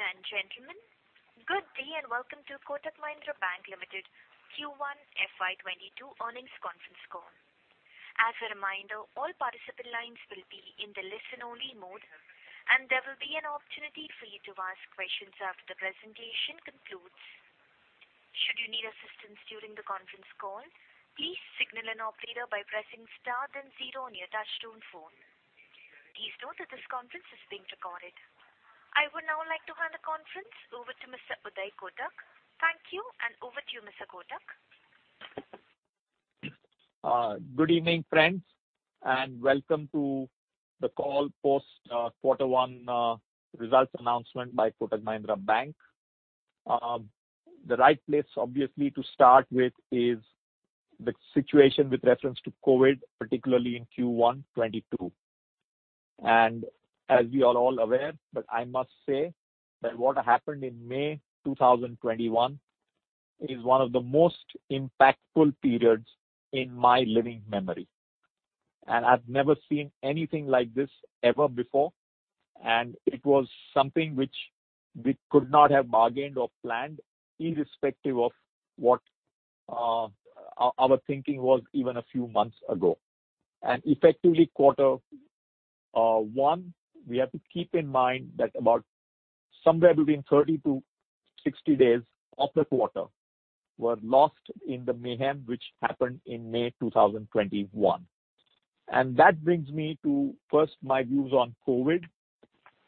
Ladies and gentlemen, good day and welcome to Kotak Mahindra Bank Limited Q1 FY 2022 Earnings Conference Call. As a reminder, all participant lines will be in the listen only mode, and there will be an opportunity for you to ask questions after the presentation concludes. Should you need assistance during the conference call, please signal an operator by pressing star then zero on your touchtone phone. Please note that this conference is being recorded. I would now like to hand the conference over to Mr. Uday Kotak. Thank you, and over to you, Mr. Kotak. Good evening, friends, and welcome to the call post Q1 results announcement by Kotak Mahindra Bank. The right place, obviously, to start with is the situation with reference to COVID, particularly in Q1 FY 2022. As we are all aware, but I must say that what happened in May 2021 is one of the most impactful periods in my living memory. I've never seen anything like this ever before, and it was something which we could not have bargained or planned, irrespective of what our thinking was even a few months ago. Effectively, Q1, we have to keep in mind that about somewhere between 30-60 days of the quarter were lost in the mayhem which happened in May 2021. That brings me to first my views on COVID.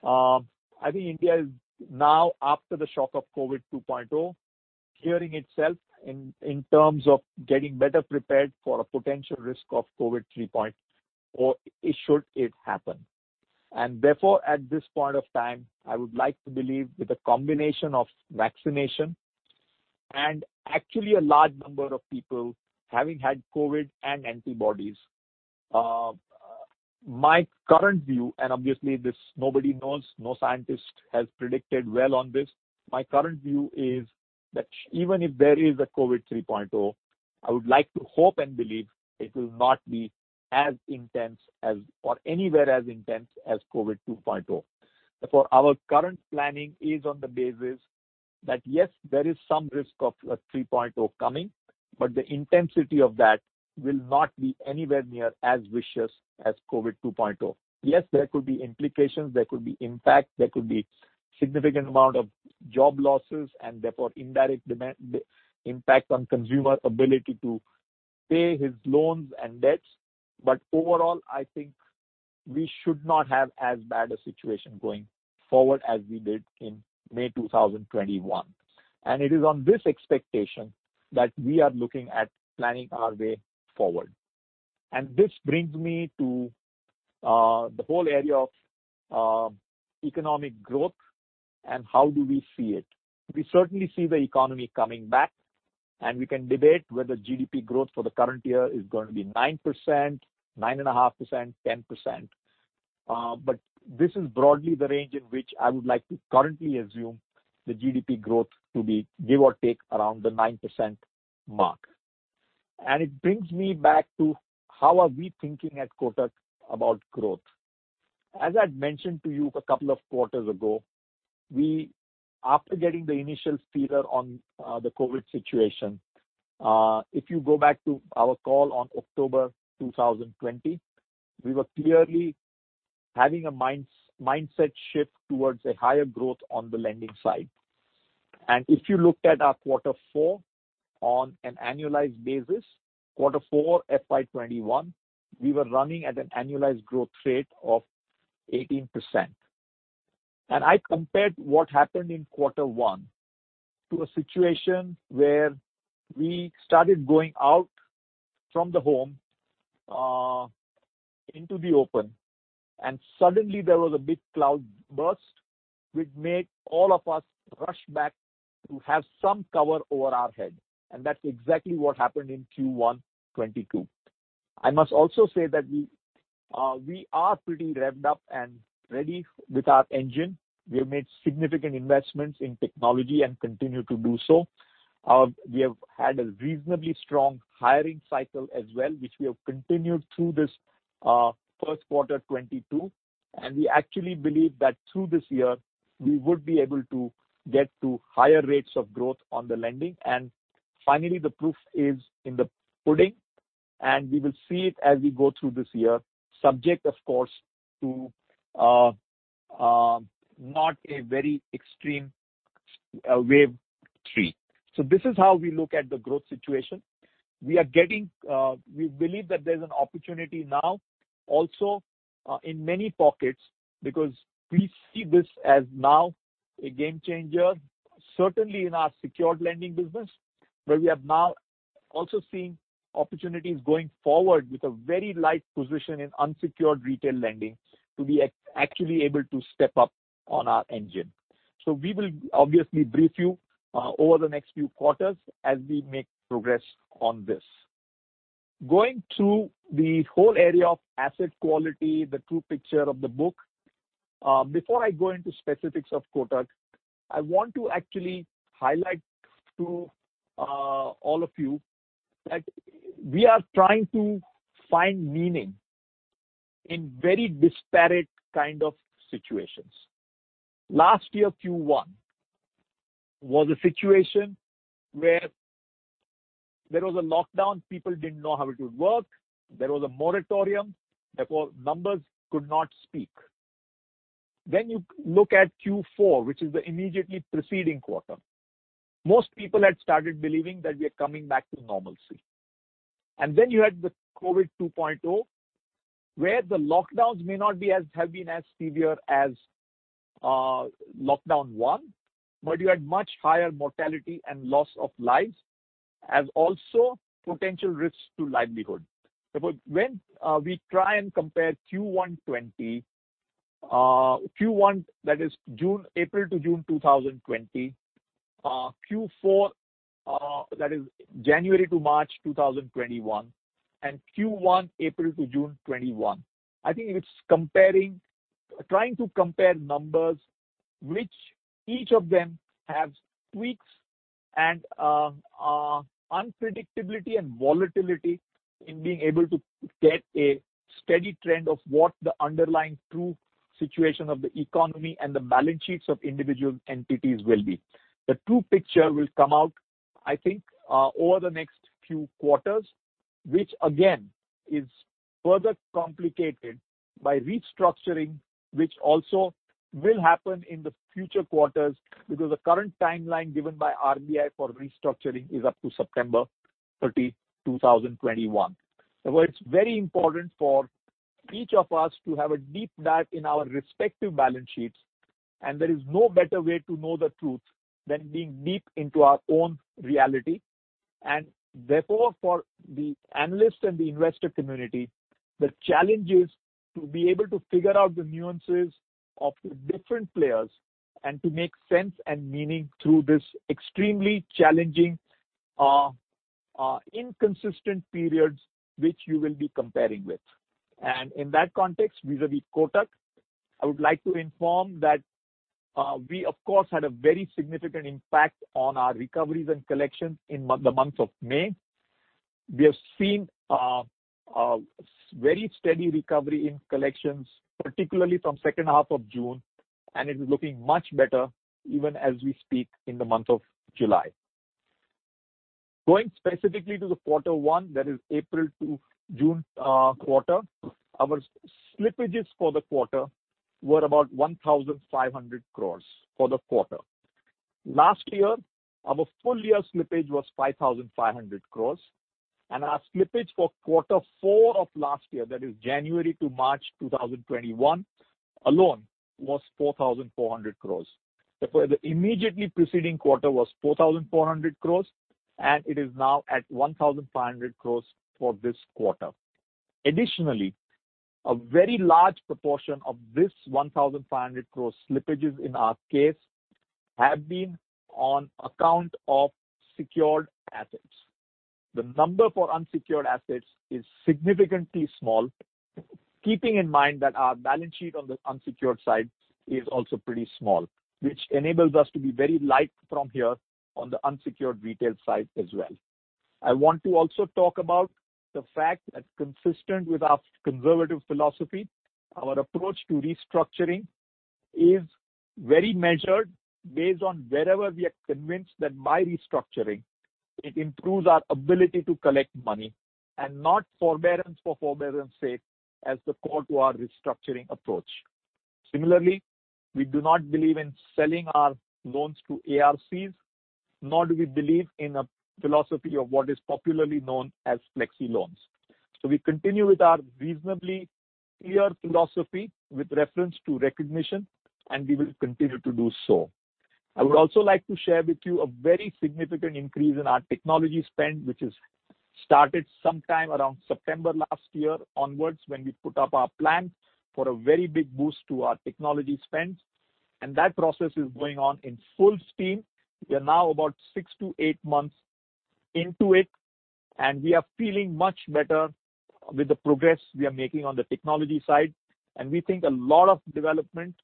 I think India is now after the shock of COVID 2.0, curing itself in terms of getting better prepared for a potential risk of COVID 3.0 should it happen. Therefore, at this point of time, I would like to believe with a combination of vaccination and actually a large number of people having had COVID and antibodies, my current view, and obviously this nobody knows, no scientist has predicted well on this, my current view is that even if there is a COVID 3.0, I would like to hope and believe it will not be as intense as or anywhere as intense as COVID 2.0. Therefore, our current planning is on the basis that, yes, there is some risk of a 3.0 coming, but the intensity of that will not be anywhere near as vicious as COVID 2.0. Yes, there could be implications. There could be impact. There could be significant amount of job losses and therefore indirect demand impact on consumer ability to pay his loans and debts. Overall, I think we should not have as bad a situation going forward as we did in May 2021. It is on this expectation that we are looking at planning our way forward. This brings me to the whole area of economic growth and how do we see it. We certainly see the economy coming back, and we can debate whether GDP growth for the current year is going to be 9%, 9.5%, 10%. This is broadly the range in which I would like to currently assume the GDP growth to be give or take around the 9% mark. It brings me back to how are we thinking at Kotak about growth. As I'd mentioned to you a couple of quarters ago, after getting the initial fever on the COVID situation, if you go back to our call on October 2020, we were clearly having a mindset shift towards a higher growth on the lending side. If you looked at our quarter four on an annualized basis, quarter four FY 2021, we were running at an annualized growth rate of 18%. I compared what happened in quarter one to a situation where we started going out from the home into the open, and suddenly there was a big cloud burst which made all of us rush back to have some cover over our head. That's exactly what happened in Q1 FY 2022. I must also say that we are pretty revved up and ready with our engine. We have made significant investments in technology and continue to do so. We have had a reasonably strong hiring cycle as well, which we have continued through this first quarter 2022. We actually believe that through this year, we would be able to get to higher rates of growth on the lending. Finally, the proof is in the pudding, and we will see it as we go through this year, subject, of course, to not a very extreme wave three. This is how we look at the growth situation. We believe that there's an opportunity now also in many pockets because we see this as now a game changer, certainly in our secured lending business, where we have now also seen opportunities going forward with a very light position in unsecured retail lending to be actually able to step up on our engine. We will obviously brief you over the next few quarters as we make progress on this. Going through the whole area of asset quality, the true picture of the book. Before I go into specifics of Kotak, I want to actually highlight to all of you that we are trying to find meaning in very disparate kind of situations. Last year, Q1 was a situation where there was a lockdown. People didn't know how it would work. There was a moratorium. Therefore, numbers could not speak. You look at Q4, which is the immediately preceding quarter. Most people had started believing that we are coming back to normalcy. You had the COVID 2.0, where the lockdowns may not have been as severe as lockdown one, but you had much higher mortality and loss of lives as also potential risks to livelihood. When we try and compare Q1 2020, that is April to June 2020, Q4, that is January to March 2021, and Q1, April to June 2021, I think it's trying to compare numbers which each of them have tweaks and unpredictability and volatility in being able to get a steady trend of what the underlying true situation of the economy and the balance sheets of individual entities will be. The true picture will come out, I think, over the next few quarters, which again is further complicated by restructuring, which also will happen in the future quarters because the current timeline given by RBI for restructuring is up to September 30, 2021. It's very important for each of us to have a deep dive in our respective balance sheets, and there is no better way to know the truth than being deep into our own reality. Therefore, for the analyst and the investor community, the challenge is to be able to figure out the nuances of the different players and to make sense and meaning through this extremely challenging inconsistent periods which you will be comparing with. In that context, vis-a-vis Kotak, I would like to inform that we, of course, had a very significant impact on our recoveries and collections in the month of May. We have seen a very steady recovery in collections, particularly from second half of June, and it is looking much better even as we speak in the month of July. Going specifically to the quarter one, that is April to June quarter, our slippages for the quarter were about 1,500 crore for the quarter. Last year, our full year slippage was 5,500 crores, and our slippage for Q4 of last year, that is January to March 2021 alone, was 4,400 crores. Therefore, the immediately preceding quarter was 4,400 crores, and it is now at 1,500 crores for this quarter. Additionally, a very large proportion of this 1,500 crore slippages in our case have been on account of secured assets. The number for unsecured assets is significantly small, keeping in mind that our balance sheet on the unsecured side is also pretty small, which enables us to be very light from here on the unsecured retail side as well. I want to also talk about the fact that consistent with our conservative philosophy, our approach to restructuring is very measured based on wherever we are convinced that by restructuring, it improves our ability to collect money and not forbearance for forbearance sake as the call to our restructuring approach. Similarly, we do not believe in selling our loans to ARC, nor do we believe in a philosophy of what is popularly known as flexi loans. We continue with our reasonably clear philosophy with reference to recognition, and we will continue to do so. I would also like to share with you a very significant increase in our technology spend, which is started sometime around September last year onwards, when we put up our plan for a very big boost to our technology spend. That process is going on in full steam. We are now about six to eight months into it, and we are feeling much better with the progress we are making on the technology side, and we think a lot of development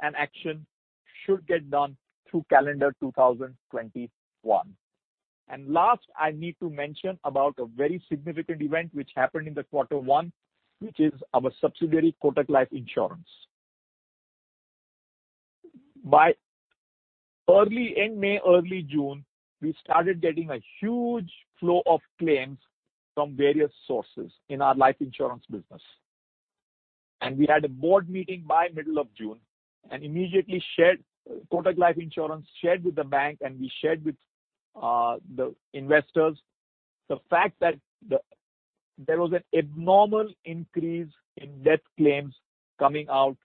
and action should get done through calendar 2021. Last, I need to mention about a very significant event which happened in the Q1, which is our subsidiary, Kotak Life Insurance. By early end May, early June, we started getting a huge flow of claims from various sources in our life insurance business. We had a board meeting by middle of June and immediately Kotak Life Insurance shared with the bank, and we shared with the investors the fact that there was an abnormal increase in death claims coming out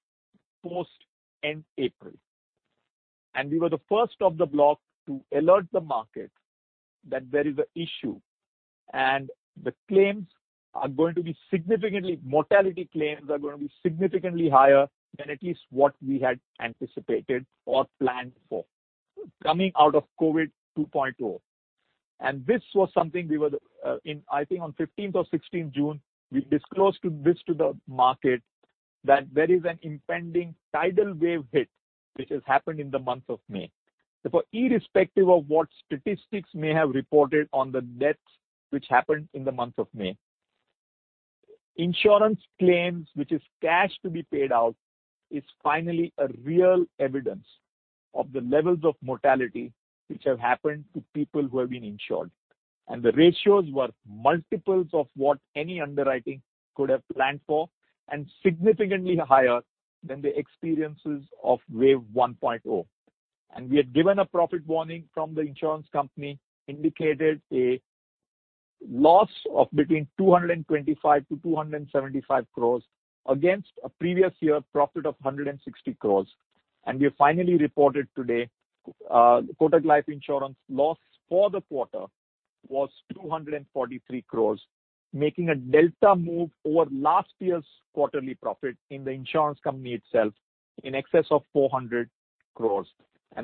post-end April. We were the first of the block to alert the market that there is an issue, and the mortality claims are going to be significantly higher than at least what we had anticipated or planned for coming out of COVID 2.0. This was something we were, I think on 15th or 16th June, we disclosed this to the market. That there is an impending tidal wave hit, which has happened in the month of May. Irrespective of what statistics may have reported on the deaths which happened in the month of May, insurance claims, which is cash to be paid out, is finally a real evidence of the levels of mortality which have happened to people who have been insured. The ratios were multiples of what any underwriting could have planned for, and significantly higher than the experiences of Wave 1.0. We are given a profit warning from Kotak Mahindra Life Insurance, indicated a loss of between 225 crores-275 crores against a previous year profit of 160 crores. We finally reported today, Kotak Mahindra Life Insurance loss for the quarter was 243 crores, making a delta move over last year's quarterly profit in the insurance company itself in excess of 400 crores.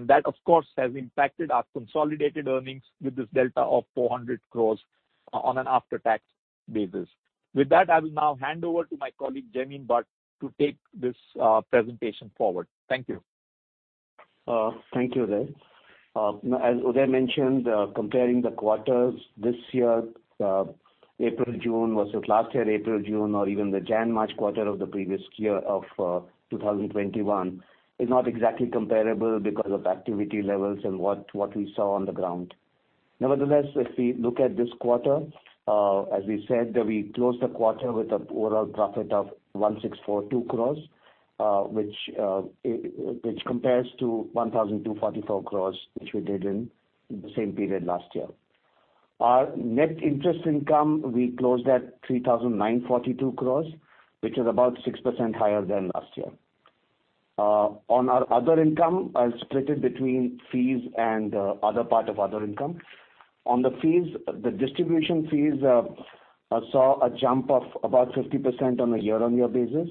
That, of course, has impacted our consolidated earnings with this delta of 400 crores on an after-tax basis. With that, I will now hand over to my colleague, Jaimin Bhatt, to take this presentation forward. Thank you. Thank you, Uday. As Uday mentioned, comparing the quarters this year, April, June, versus last year April, June, or even the January-March quarter of the previous year of 2021 is not exactly comparable because of activity levels and what we saw on the ground. Nevertheless, if we look at this quarter, as we said, we closed the quarter with an overall profit of 1,642 crores, which compares to 1,244 crores, which we did in the same period last year. Our net interest income, we closed at 3,942 crores, which is about 6% higher than last year. On our other income, I will split it between fees and other part of other income. On the fees, the distribution fees saw a jump of about 50% on a year-on-year basis,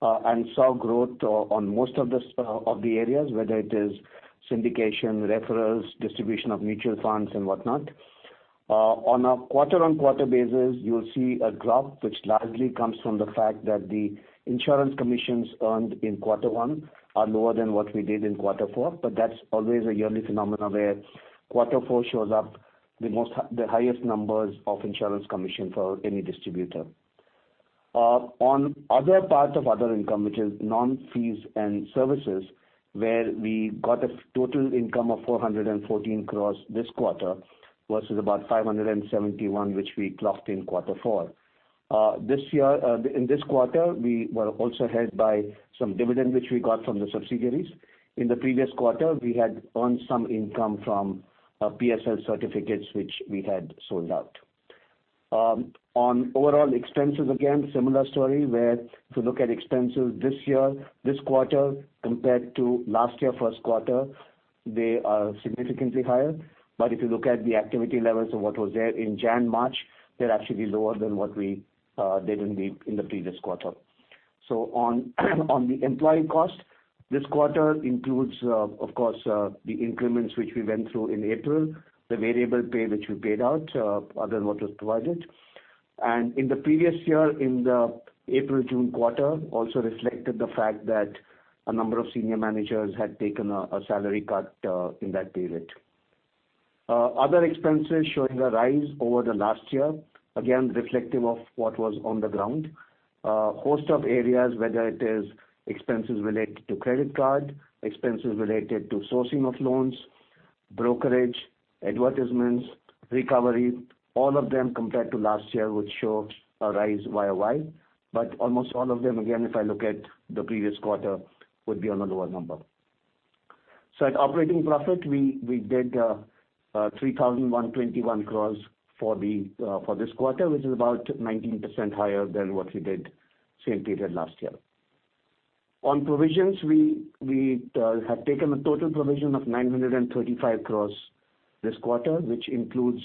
saw growth on most of the areas, whether it is syndication, referrals, distribution of mutual funds and whatnot. On a quarter-on-quarter basis, you'll see a drop, which largely comes from the fact that the insurance commissions earned in quarter one are lower than what we did in quarter four, that's always a yearly phenomenon where quarter four shows up the highest numbers of insurance commission for any distributor. On other part of other income, which is non-fees and services, where we got a total income of 414 crore this quarter versus about 571 which we clocked in quarter four. In this quarter, we were also helped by some dividend which we got from the subsidiaries. In the previous quarter, we had earned some income from PSL certificates, which we had sold out. On overall expenses, again, similar story where if you look at expenses this year, this quarter compared to last year first quarter, they are significantly higher. If you look at the activity levels of what was there in January, March, they're actually lower than what we did in the previous quarter. On the employee cost, this quarter includes, of course, the increments which we went through in April, the variable pay which we paid out, other than what was provided. In the previous year, in the April-June quarter, also reflected the fact that a number of senior managers had taken a salary cut in that period. Other expenses showing a rise over the last year, again, reflective of what was on the ground. A host of areas, whether it is expenses related to credit card, expenses related to sourcing of loans, brokerage, advertisements, recovery, all of them compared to last year would show a rise YoY. Almost all of them, again, if I look at the previous quarter, would be on a lower number. At operating profit, we did 3,121 crore for this quarter, which is about 19% higher than what we did same period last year. On provisions, we have taken a total provision of 935 crore this quarter, which includes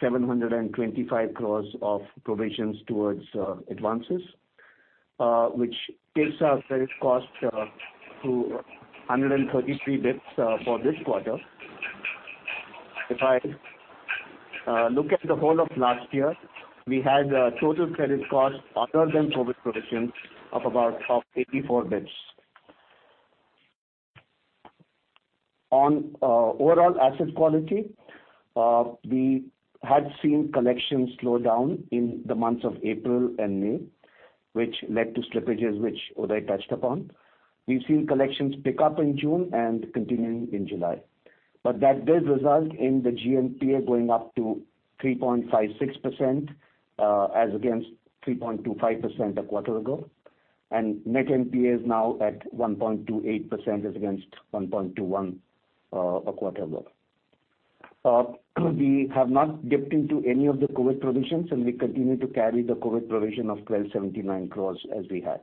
725 crore of provisions towards advances, which takes our credit cost to 133 basis points for this quarter. If I look at the whole of last year, we had total credit cost other than COVID provisions of about 84 basis points. On overall asset quality, we had seen collections slow down in the months of April and May, which led to slippages which Uday touched upon. We've seen collections pick up in June and continuing in July. That does result in the GNPA going up to 3.56% as against 3.25% a quarter ago, and net NPAs now at 1.28% as against 1.21% a quarter ago. We have not dipped into any of the COVID provisions, and we continue to carry the COVID provision of 1,279 crores as we had.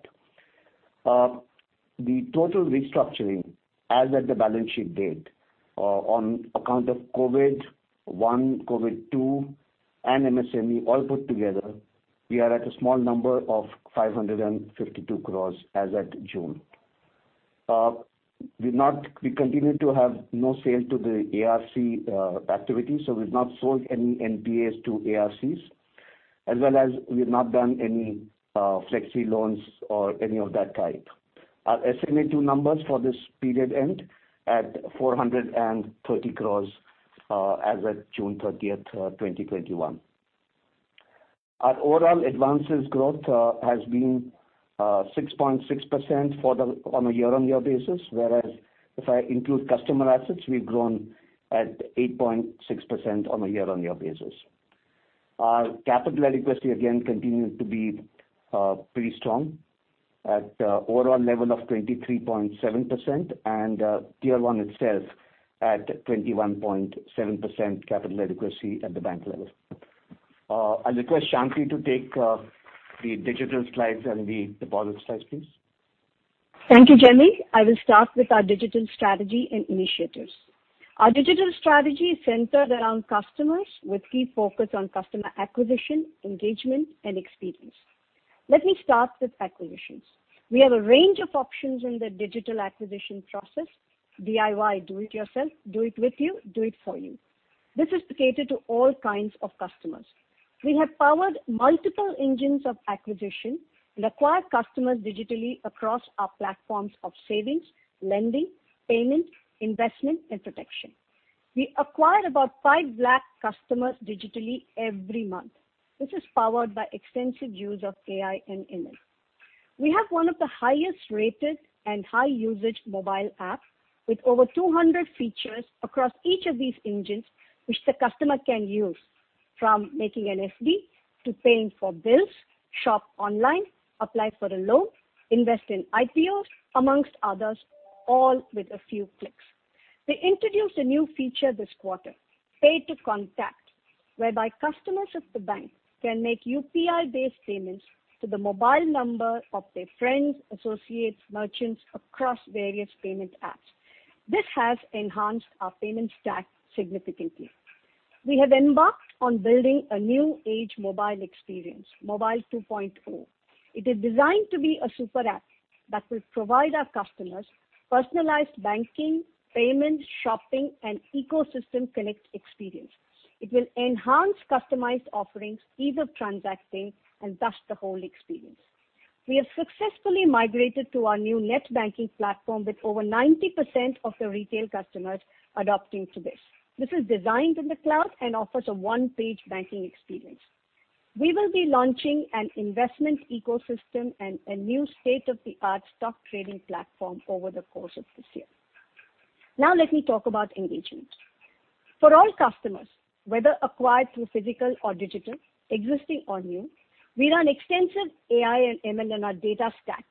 The total restructuring as at the balance sheet date, on account of COVID 1.0, COVID 2.0, and MSME all put together, we are at a small number of 552 crores as at June. We continue to have no sale to the ARC activity, so we've not sold any NPAs to ARCs, as well as we've not done any flexi loans or any of that type. Our SMA-2 numbers for this period end at 430 crores as at June 30th, 2021. Our overall advances growth has been 6.6% on a year-on-year basis, whereas if I include customer assets, we've grown at 8.6% on a year-on-year basis. Our capital adequacy again continues to be pretty strong at overall level of 23.7% and Tier 1 itself at 21.7% capital adequacy at the bank level. I'll request Shanti to take the digital slides and the board slides, please. Thank you, Jaimin. I will start with our digital strategy and initiatives. Our digital strategy is centered around customers with key focus on customer acquisition, engagement and experience. Let me start with acquisitions. We have a range of options in the digital acquisition process, DIY, do it yourself, do it with you, do it for you. This is catered to all kinds of customers. We have powered multiple engines of acquisition and acquire customers digitally across our platforms of savings, lending, payment, investment, and protection. We acquire about 5 lakh customers digitally every month. This is powered by extensive use of AI and ML. We have one of the highest-rated and high-usage mobile app with over 200 features across each of these engines, which the customer can use from making an FD, to paying for bills, shop online, apply for a loan, invest in IPOs, amongst others, all with a few clicks. We introduced a new feature this quarter, pay to contact, whereby customers of the bank can make UPI-based payments to the mobile number of their friends, associates, merchants across various payment apps. This has enhanced our payment stack significantly. We have embarked on building a new-age mobile experience, Mobile 2.0. It is designed to be a super app that will provide our customers personalized banking, payment, shopping and ecosystem connect experience. It will enhance customized offerings, ease of transacting, and thus the whole experience. We have successfully migrated to our new net banking platform with over 90% of the retail customers adopting to this. This is designed in the cloud and offers a one-page banking experience. We will be launching an investment ecosystem and a new state-of-the-art stock trading platform over the course of this year. Let me talk about engagement. For all customers, whether acquired through physical or digital, existing or new, we run extensive AI and ML in our data stack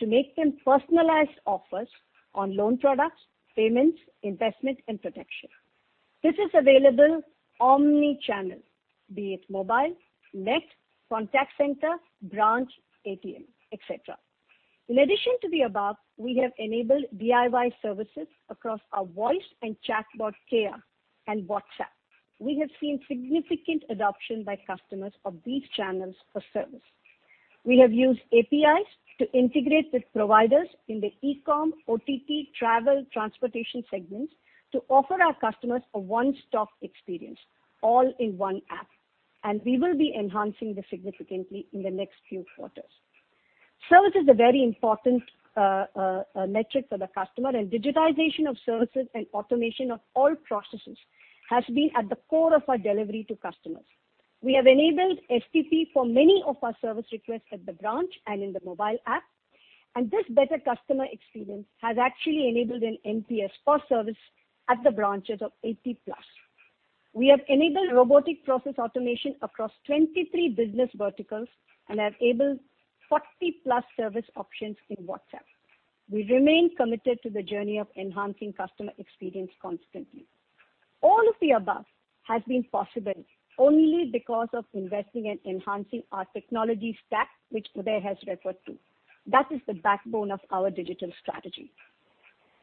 to make them personalized offers on loan products, payments, investment, and protection. This is available omni-channel, be it mobile, net, contact center, branch, ATM, et cetera. In addition to the above, we have enabled DIY services across our voice and chatbot care and WhatsApp. We have seen significant adoption by customers of these channels for service. We have used APIs to integrate with providers in the e-com, OTT, travel, transportation segments to offer our customers a one-stop experience all in one app. We will be enhancing this significantly in the next few quarters. Service is a very important metric for the customer. Digitization of services and automation of all processes has been at the core of our delivery to customers. We have enabled STP for many of our service requests at the branch and in the mobile app. This better customer experience has actually enabled an NPS for service at the branches of 80-plus. We have enabled robotic process automation across 23 business verticals. We have enabled 40-plus service options in WhatsApp. We remain committed to the journey of enhancing customer experience constantly. All of the above has been possible only because of investing and enhancing our technology stack, which Uday has referred to. That is the backbone of our digital strategy.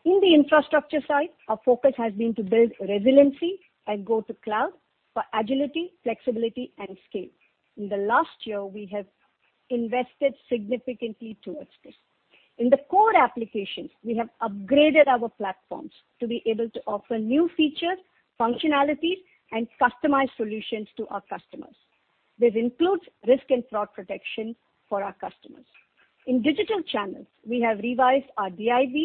In the infrastructure side, our focus has been to build resiliency and go to cloud for agility, flexibility and scale. In the last year, we have invested significantly towards this. In the core applications, we have upgraded our platforms to be able to offer new features, functionalities, and customized solutions to our customers. This includes risk and fraud protection for our customers. In digital channels, we have revised our DIB,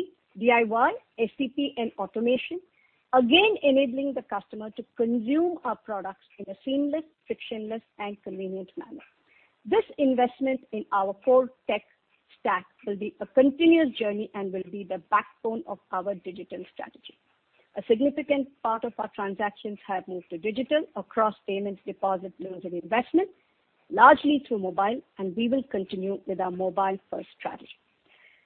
DIY, STP and automation, again enabling the customer to consume our products in a seamless, frictionless, and convenient manner. This investment in our core tech stack will be a continuous journey and will be the backbone of our digital strategy. A significant part of our transactions have moved to digital across payments, deposits, loans, and investments, largely through mobile, and we will continue with our mobile-first strategy.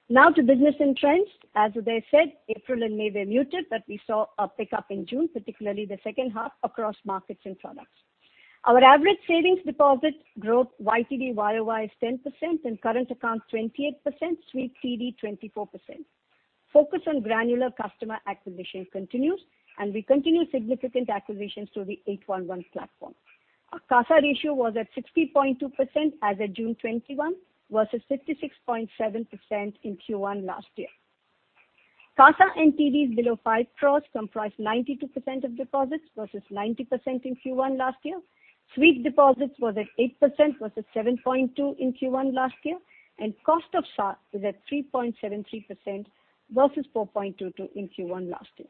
Now to business and trends. As Uday said, April and May were muted, but we saw a pickup in June, particularly the second half across markets and products. Our average savings deposit growth YTD YoY is 10% and current account 28%, sweep TD 24%. Focus on granular customer acquisition continues, and we continue significant acquisitions through the 811 platform. CASA ratio was at 60.2% as of June 2021 versus 56.7% in Q1 last year. CASA and TDs below 5 crores comprise 92% of deposits versus 90% in Q1 last year. Sweep deposits was at 8% versus 7.2% in Q1 last year, and cost of SA is at 3.73% versus 4.22% in Q1 last year.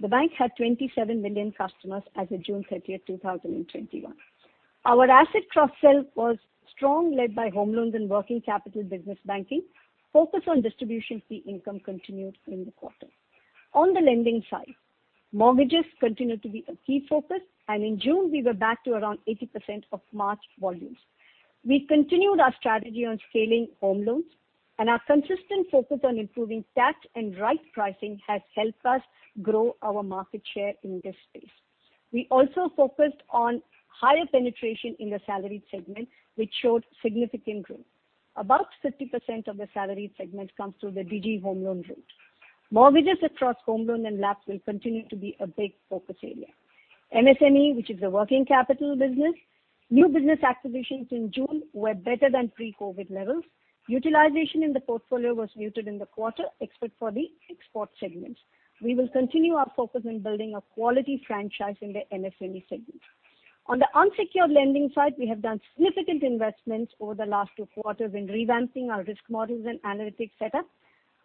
The bank had 27 million customers as of June 30th, 2021. Our asset cross-sell was strong, led by home loans and working capital business banking. Focus on distribution fee income continued in the quarter. On the lending side, mortgages continued to be a key focus, and in June, we were back to around 80% of March volumes. We continued our strategy on scaling home loans, and our consistent focus on improving TAT and right pricing has helped us grow our market share in this space. We also focused on higher penetration in the salaried segment, which showed significant growth. About 50% of the salaried segment comes through the Kotak Digi Home Loans route. Mortgages across home loan and LAP will continue to be a big focus area. MSME, which is a working capital business, new business activations in June were better than pre-COVID levels. Utilization in the portfolio was muted in the quarter except for the export segments. We will continue our focus on building a quality franchise in the MSME segment. On the unsecured lending side, we have done significant investments over the last two quarters in revamping our risk models and analytics setup.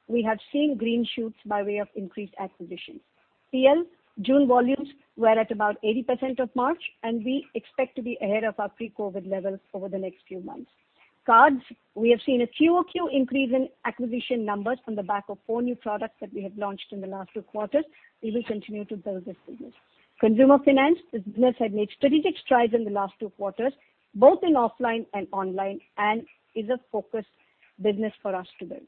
We have seen green shoots by way of increased acquisitions. PL, June volumes were at about 80% of March, and we expect to be ahead of our pre-COVID levels over the next few months. Cards, we have seen a QoQ increase in acquisition numbers on the back of four new products that we have launched in the last two quarters. We will continue to build this business. Consumer finance business had made strategic strides in the last two quarters, both in offline and online, and is a focus business for us to build.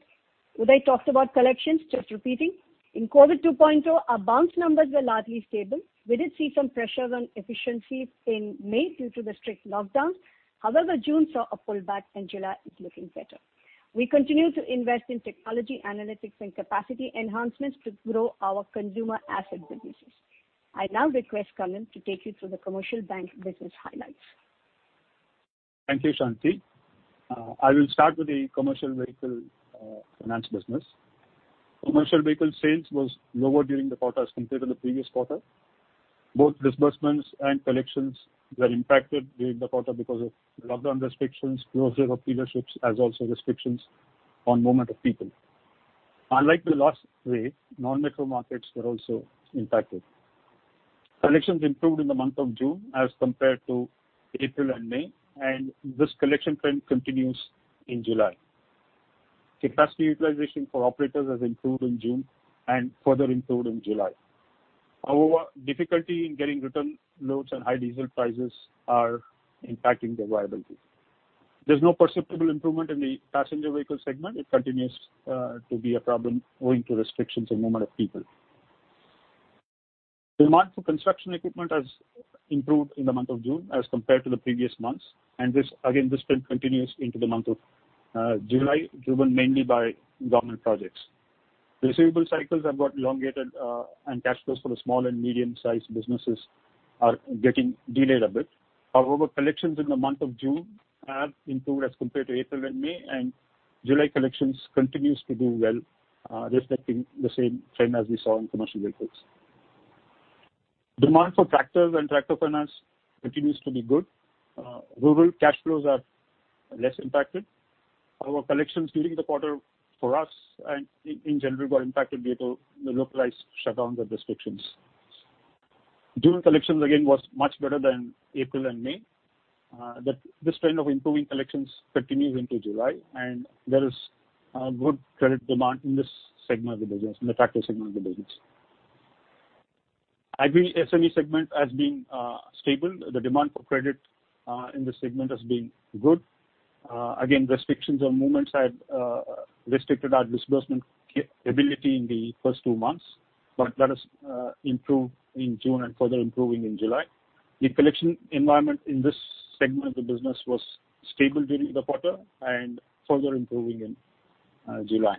Uday talked about collections, just repeating. In COVID 2.0, our bounce numbers were largely stable. We did see some pressures on efficiency in May due to the strict lockdowns. However, June saw a pullback and July is looking better. We continue to invest in technology, analytics, and capacity enhancements to grow our consumer asset businesses. I now request Kannan to take you through the commercial bank business highlights. Thank you, Shanti. I will start with the commercial vehicle finance business. Commercial vehicle sales was lower during the quarter as compared to the previous quarter. Both disbursements and collections were impacted during the quarter because of lockdown restrictions, closure of dealerships as also restrictions on movement of people. Unlike the last wave, non-metro markets were also impacted. Collections improved in the month of June as compared to April and May, and this collection trend continues in July. Capacity utilization for operators has improved in June and further improved in July. However, difficulty in getting return loads and high diesel prices are impacting their viability. There is no perceptible improvement in the passenger vehicle segment. It continues to be a problem owing to restrictions on movement of people. Demand for construction equipment has improved in the month of June as compared to the previous months, and again, this trend continues into the month of July, driven mainly by government projects. Receivable cycles have got elongated and cash flows for the small and medium-sized businesses are getting delayed a bit. However, collections in the month of June have improved as compared to April and May, and July collections continues to do well, reflecting the same trend as we saw in commercial vehicles. Demand for tractors and tractor finance continues to be good. Rural cash flows are less impacted. However, collections during the quarter for us and in general got impacted due to the localized shutdowns and restrictions. June collections again was much better than April and May. This trend of improving collections continues into July, and there is a good credit demand in this segment of the business, in the tractor segment of the business. Agri SME segment has been stable. The demand for credit in this segment has been good. Again, restrictions on movements have restricted our disbursement capability in the first two months, but that has improved in June and further improving in July. The collection environment in this segment of the business was stable during the quarter and further improving in July.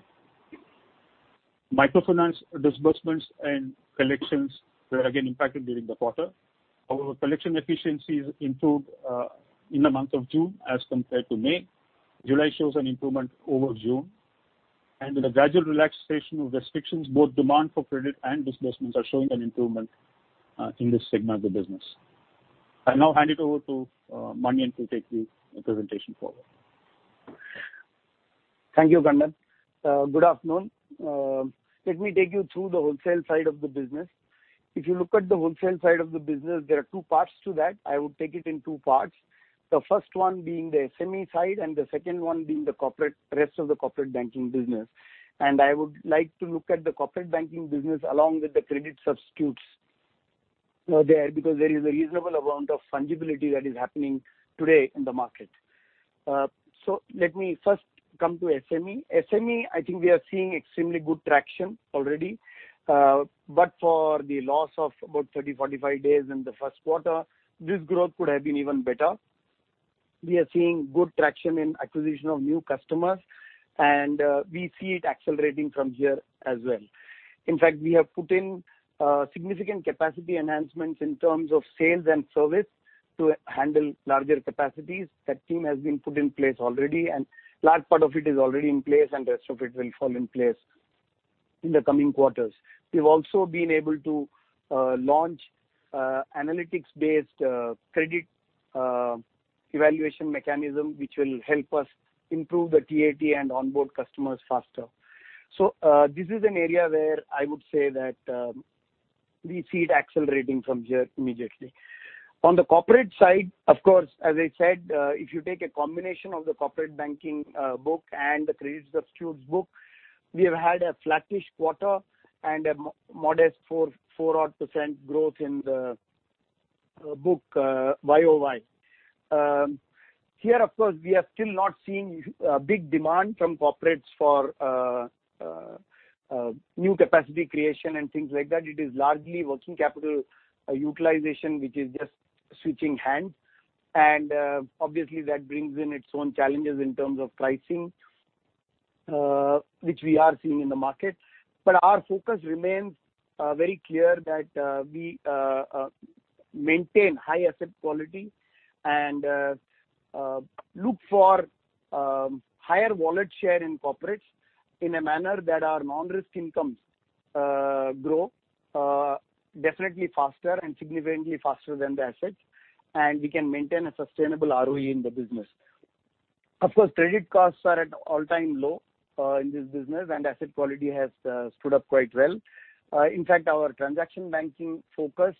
Microfinance disbursements and collections were again impacted during the quarter. However, collection efficiencies improved in the month of June as compared to May. July shows an improvement over June. With a gradual relaxation of restrictions, both demand for credit and disbursements are showing an improvement in this segment of the business. I now hand it over to Manian to take the presentation forward. Thank you, Kannan. Good afternoon. Let me take you through the wholesale side of the business. If you look at the wholesale side of the business, there are two parts to that. I would take it in two parts, the first one being the SME side and the second one being the rest of the corporate banking business. I would like to look at the corporate banking business along with the credit substitutes there because there is a reasonable amount of fungibility that is happening today in the market. Let me first come to SME. SME, I think we are seeing extremely good traction already. For the loss of about 30, 45 days in the first quarter, this growth could have been even better. We are seeing good traction in acquisition of new customers, and we see it accelerating from here as well. In fact, we have put in significant capacity enhancements in terms of sales and service to handle larger capacities. That team has been put in place already, and large part of it is already in place, and rest of it will fall in place in the coming quarters. We've also been able to launch analytics-based credit evaluation mechanism, which will help us improve the TAT and onboard customers faster. This is an area where I would say that we see it accelerating from here immediately. On the corporate side, of course, as I said, if you take a combination of the corporate banking book and the credit substitutes book, we have had a flattish quarter and a modest 4% odd growth in the book YoY. Here, of course, we are still not seeing a big demand from corporates for new capacity creation and things like that. It is largely working capital utilization, which is just switching hands. Obviously that brings in its own challenges in terms of pricing, which we are seeing in the market. Our focus remains very clear that we maintain high asset quality and look for higher wallet share in corporates in a manner that our non-risk incomes grow definitely faster and significantly faster than the assets, and we can maintain a sustainable ROE in the business. Of course, credit costs are at all-time low in this business, and asset quality has stood up quite well. In fact, our transaction banking focus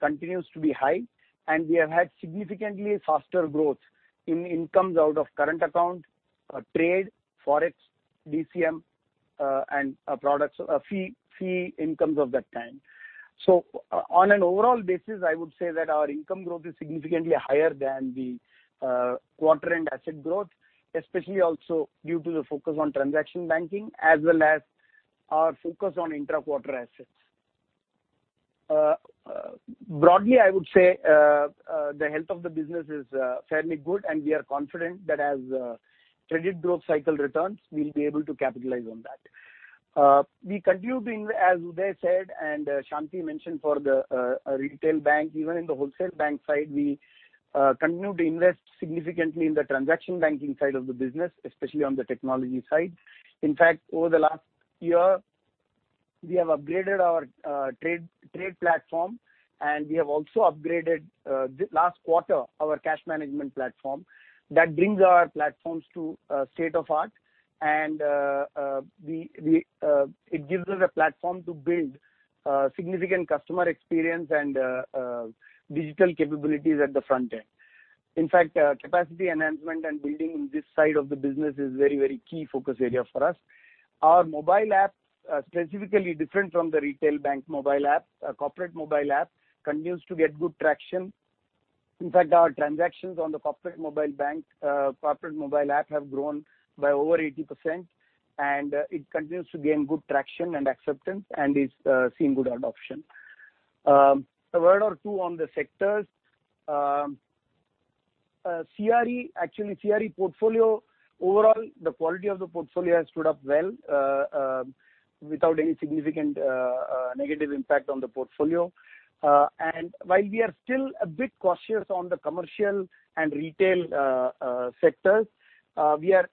continues to be high, and we have had significantly faster growth in incomes out of current account, trade, forex, DCM, and fee incomes of that kind. On an overall basis, I would say that our income growth is significantly higher than the quarter end asset growth, especially also due to the focus on transaction banking as well as our focus on intra-quarter assets. Broadly, I would say the health of the business is fairly good, and we are confident that as credit growth cycle returns, we'll be able to capitalize on that. We continue to, as Uday said, and Shanti mentioned for the retail bank, even in the wholesale bank side, we continue to invest significantly in the transaction banking side of the business, especially on the technology side. In fact, over the last year, we have upgraded our trade platform, and we have also upgraded, last quarter, our cash management platform that brings our platforms to state-of-the-art and it gives us a platform to build significant customer experience and digital capabilities at the front end. In fact, capacity enhancement and building this side of the business is very key focus area for us. Our mobile app, specifically different from the retail bank mobile app, corporate mobile app, continues to get good traction. In fact, our transactions on the corporate mobile app have grown by over 80%, and it continues to gain good traction and acceptance and is seeing good adoption. A word or two on the sectors. Actually, CRE portfolio, overall, the quality of the portfolio has stood up well without any significant negative impact on the portfolio. While we are still a bit cautious on the commercial and retail sectors, we are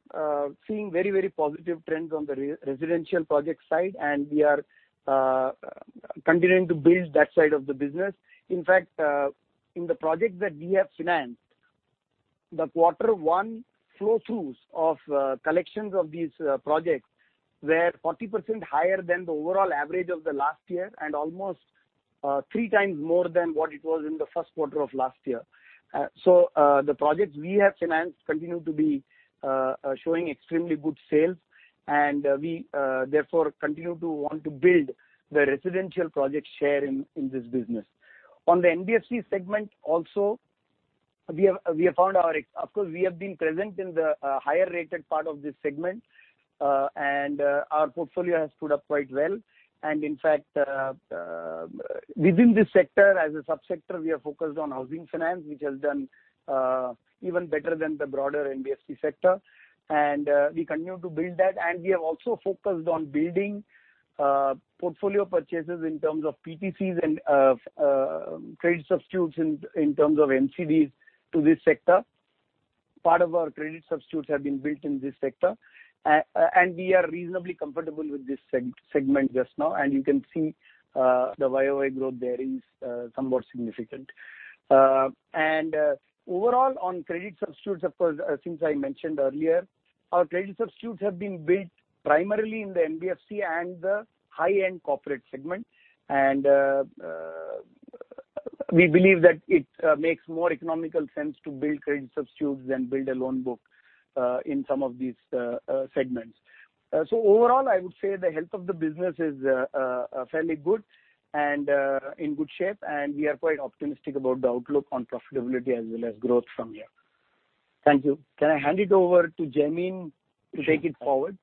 seeing very positive trends on the residential project side, and we are continuing to build that side of the business. In fact, in the project that we have financed, the quarter one flow throughs of collections of these projects were 40% higher than the overall average of the last year, and almost three times more than what it was in the first quarter of last year. The projects we have financed continue to be showing extremely good sales, and we therefore continue to want to build the residential project share in this business. On the NBFC segment also, of course, we have been present in the higher-rated part of this segment, and our portfolio has stood up quite well. In fact, within this sector, as a sub-sector, we are focused on housing finance, which has done even better than the broader NBFC sector. We continue to build that, and we have also focused on building portfolio purchases in terms of PTCs and credit substitutes in terms of NCDs to this sector. Part of our credit substitutes have been built in this sector. We are reasonably comfortable with this segment just now, and you can see the YoY growth there is somewhat significant. Overall on credit substitutes, of course, as I mentioned earlier, our credit substitutes have been built primarily in the NBFC and the high-end corporate segment. We believe that it makes more economical sense to build credit substitutes than build a loan book in some of these segments. Overall, I would say the health of the business is fairly good and in good shape. We are quite optimistic about the outlook on profitability as well as growth from here. Thank you. Can I hand it over to Jaimin to take it forward?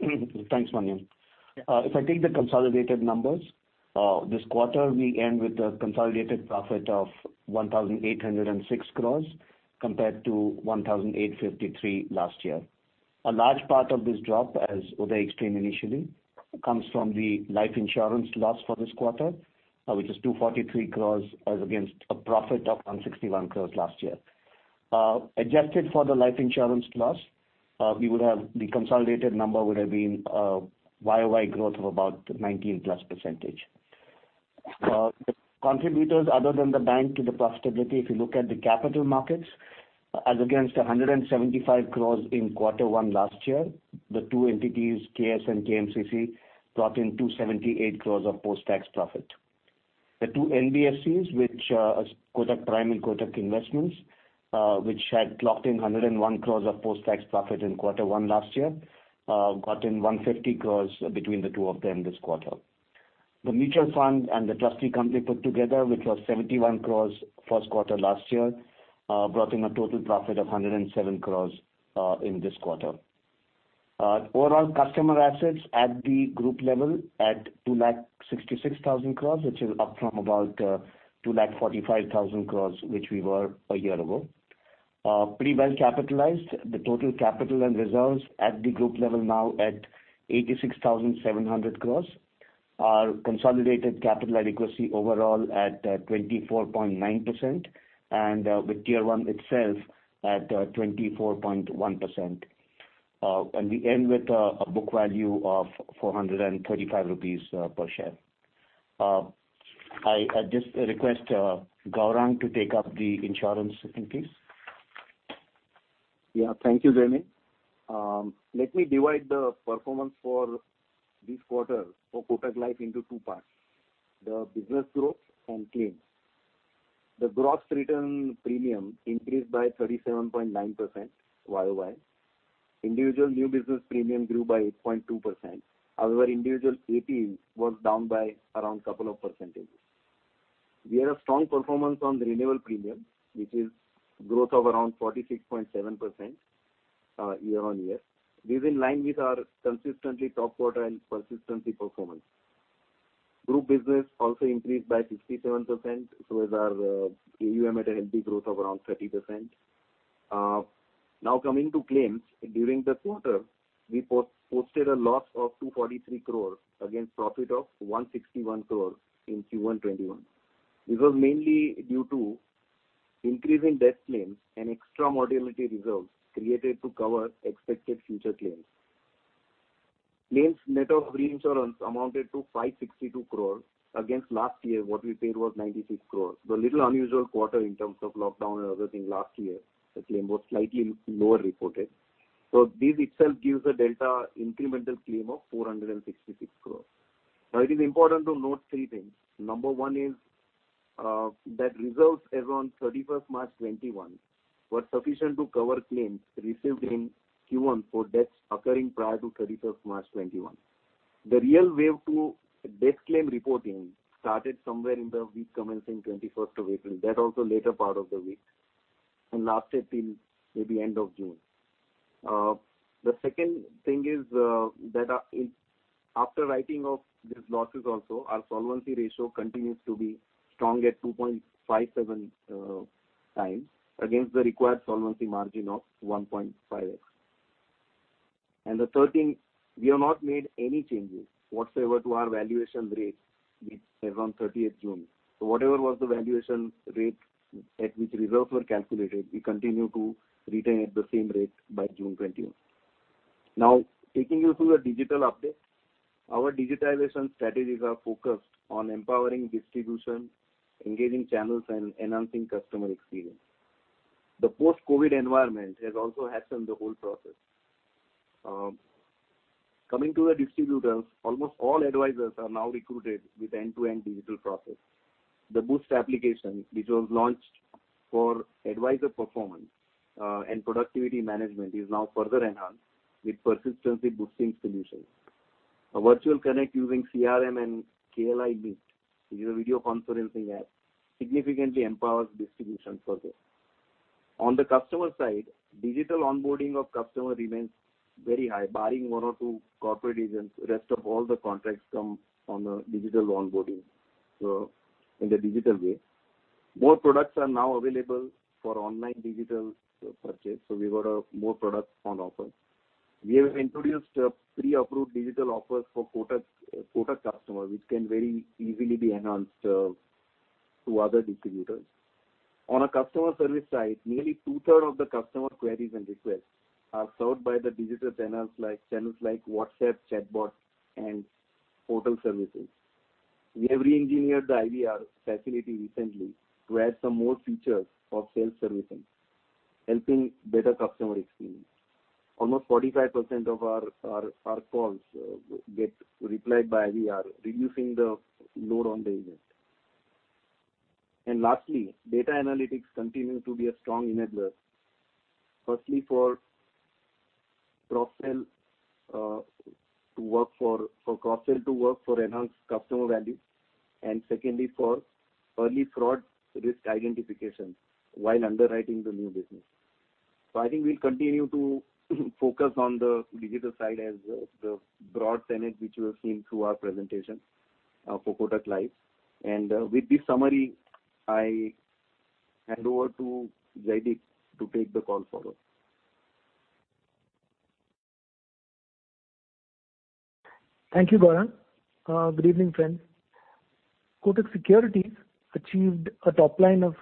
Thanks, Manian. If I take the consolidated numbers, this quarter, we end with a consolidated profit of 1,806 crores compared to 1,853 last year. A large part of this drop, as Uday explained initially, comes from the life insurance loss for this quarter, which is 243 crores as against a profit of 161 crores last year. Adjusted for the life insurance loss, the consolidated number would have been a YoY growth of about 19+ %. The contributors other than the bank to the profitability, if you look at the capital markets, as against 175 crores in quarter one last year, the two entities, KS and KMCC, brought in 278 crores of post-tax profit. The two NBFCs, which are Kotak Prime and Kotak Investments, which had clocked in 101 crores of post-tax profit in quarter one last year, got in 150 crores between the two of them this quarter. The mutual fund and the trustee company put together, which was 71 crores first quarter last year, brought in a total profit of 107 crores in this quarter. Overall customer assets at the group level at 266,000 crores, which is up from about 245,000 crores, which we were a year ago. Pretty well capitalized. The total capital and reserves at the group level now at 86,700 crores. Our consolidated capital adequacy overall at 24.9%, and with Tier 1 itself at 24.1%. We end with a book value of 435 rupees per share. I just request Gaurang to take up the insurance piece. Thank you, Jaimin. Let me divide the performance for this quarter for Kotak Life into two parts, the business growth and claims. The gross written premium increased by 37.9% YoY. Individual new business premium grew by 8.2%. However, individual AP was down by around 2 percentages. We had a strong performance on the renewal premium, which is growth of around 46.7% year-on-year. This is in line with our consistently top-quarter and persistency performance. Group business also increased by 67%, so is our AUM at a healthy growth of around 30%. Coming to claims. During the quarter, we posted a loss of 243 crores against profit of 161 crores in Q1 2021. This was mainly due to increase in death claims and extra mortality reserves created to cover expected future claims. Claims net of reinsurance amounted to 562 crores against last year, what we paid was 96 crores. A little unusual quarter in terms of lockdown and other things last year, the claim was slightly lower reported. This itself gives a delta incremental claim of 466 crores. It is important to note three things. Number one is that results as on March 31, 2021 were sufficient to cover claims received in Q1 for deaths occurring prior to March 31, 2021. The real wave two death claim reporting started somewhere in the week commencing April 21. That also later part of the week and lasted till maybe end of June. The second thing is that after writing off these losses also, our solvency ratio continues to be strong at 2.57x against the required solvency margin of 1.5x. The third thing, we have not made any changes whatsoever to our valuation rates as on 30th June. Whatever was the valuation rate at which reserves were calculated, we continue to retain at the same rate by June 2021. Now taking you through the digital update. Our digitalization strategies are focused on empowering distribution, engaging channels, and enhancing customer experience. The post-COVID environment has also hastened the whole process. Coming to the distributors, almost all advisors are now recruited with end-to-end digital process. The Boost application, which was launched for advisor performance and productivity management, is now further enhanced with persistency boosting solutions. A virtual connect using CRM and KLI Meet, the video conferencing app, significantly empowers distribution further. On the customer side, digital onboarding of customer remains very high. Barring one or two corporate agents, rest of all the contracts come on a digital onboarding, so in the digital way. More products are now available for online digital purchase, we got more products on offer. We have introduced pre-approved digital offers for Kotak customers, which can very easily be enhanced to other distributors. On a customer service side, nearly two-third of the customer queries and requests are served by the digital channels like WhatsApp, chatbot, and portal services. We have reengineered the IVR facility recently to add some more features for self-servicing, helping better customer experience. Almost 45% of our calls get replied by IVR, reducing the load on the agent. Lastly, data analytics continue to be a strong enabler. Firstly, for cross-sell to work for enhanced customer value. Secondly, for early fraud risk identification while underwriting the new business. I think we'll continue to focus on the digital side as the broad tenet which you have seen through our presentation for Kotak Life. With this summary, I hand over to Jaideep to take the call forward. Thank you, Gaurang. Good evening, friends. Kotak Securities achieved a top line of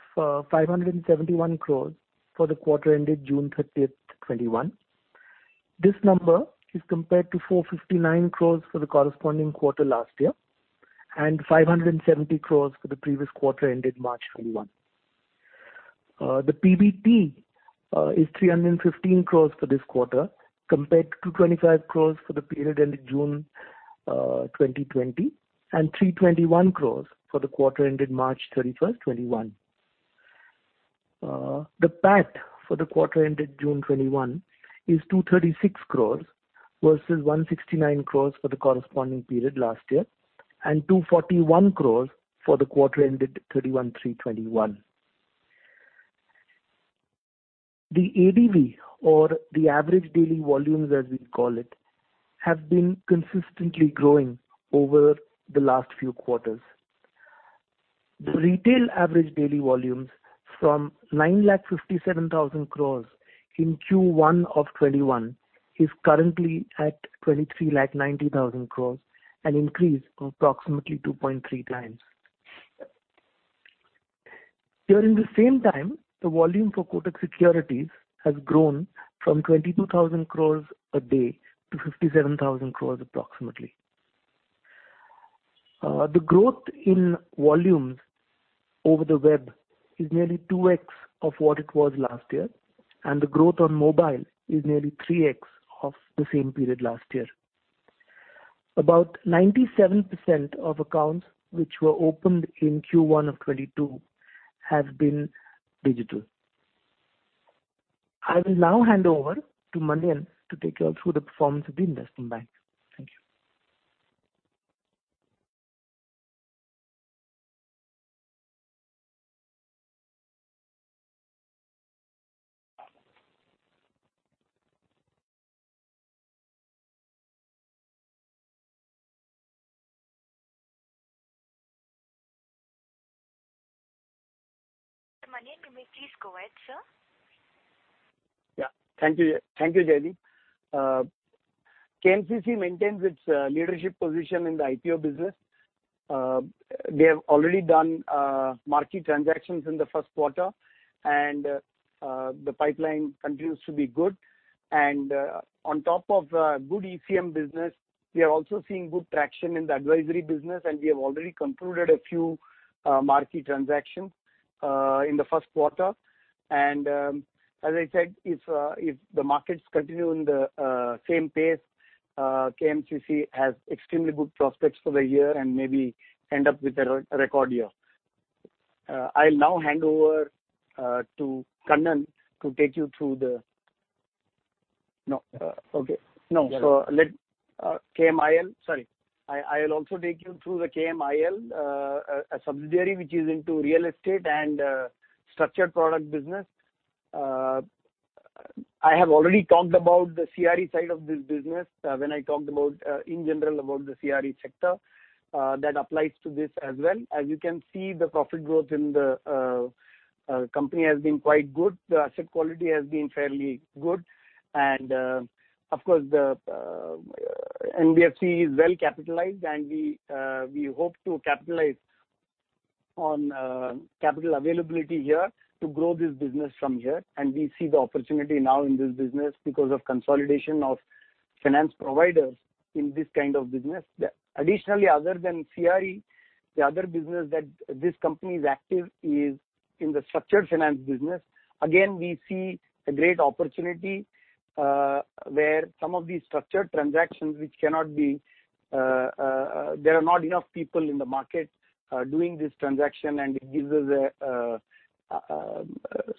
571 crores for the quarter ended June 30, 2021. This number is compared to 459 crores for the corresponding quarter last year, and 570 crores for the previous quarter ended March 2021. The PBT is 315 crores for this quarter, compared to 225 crores for the period ended June 2020, and 321 crores for the quarter ended March 31, 2021. The PAT for the quarter ended June 2021 is 236 crores versus 169 crores for the corresponding period last year, and 241 crores for the quarter ended March 31, 2021. The ADV, or the average daily volumes as we call it, have been consistently growing over the last few quarters. The retail average daily volumes from 9,57,000 crores in Q1 FY 2022 is currently at 23,90,000 crores, an increase of approximately 2.3x. During the same time, the volume for Kotak Securities has grown from 22,000 crore a day to 57,000 crore approximately. The growth in volumes over the web is nearly 2x of what it was last year. The growth on mobile is nearly 3x of the same period last year. About 97% of accounts which were opened in Q1 of 2022 have been digital. I will now hand over to Manian to take you all through the performance of the investment bank. Thank you. Manian, can you please go ahead, sir. Thank you, Jaideep. KMCC maintains its leadership position in the IPO business. They have already done marquee transactions in the first quarter, and the pipeline continues to be good. On top of good ECM business, we are also seeing good traction in the advisory business, and we have already concluded a few marquee transactions in the first quarter. As I said, if the markets continue in the same pace, KMCC has extremely good prospects for the year and maybe end up with a record year. I will also take you through the KMIL, a subsidiary which is into real estate and structured product business. I have already talked about the CRE side of this business when I talked in general about the CRE sector. That applies to this as well. As you can see, the profit growth in the company has been quite good. The asset quality has been fairly good. Of course, the NBFC is well capitalized, and we hope to capitalize on capital availability here to grow this business from here. We see the opportunity now in this business because of consolidation of finance providers in this kind of business. Additionally, other than CRE, the other business that this company is active is in the structured finance business. Again, we see a great opportunity, where some of these structured transactions There are not enough people in the market doing this transaction, and it gives us a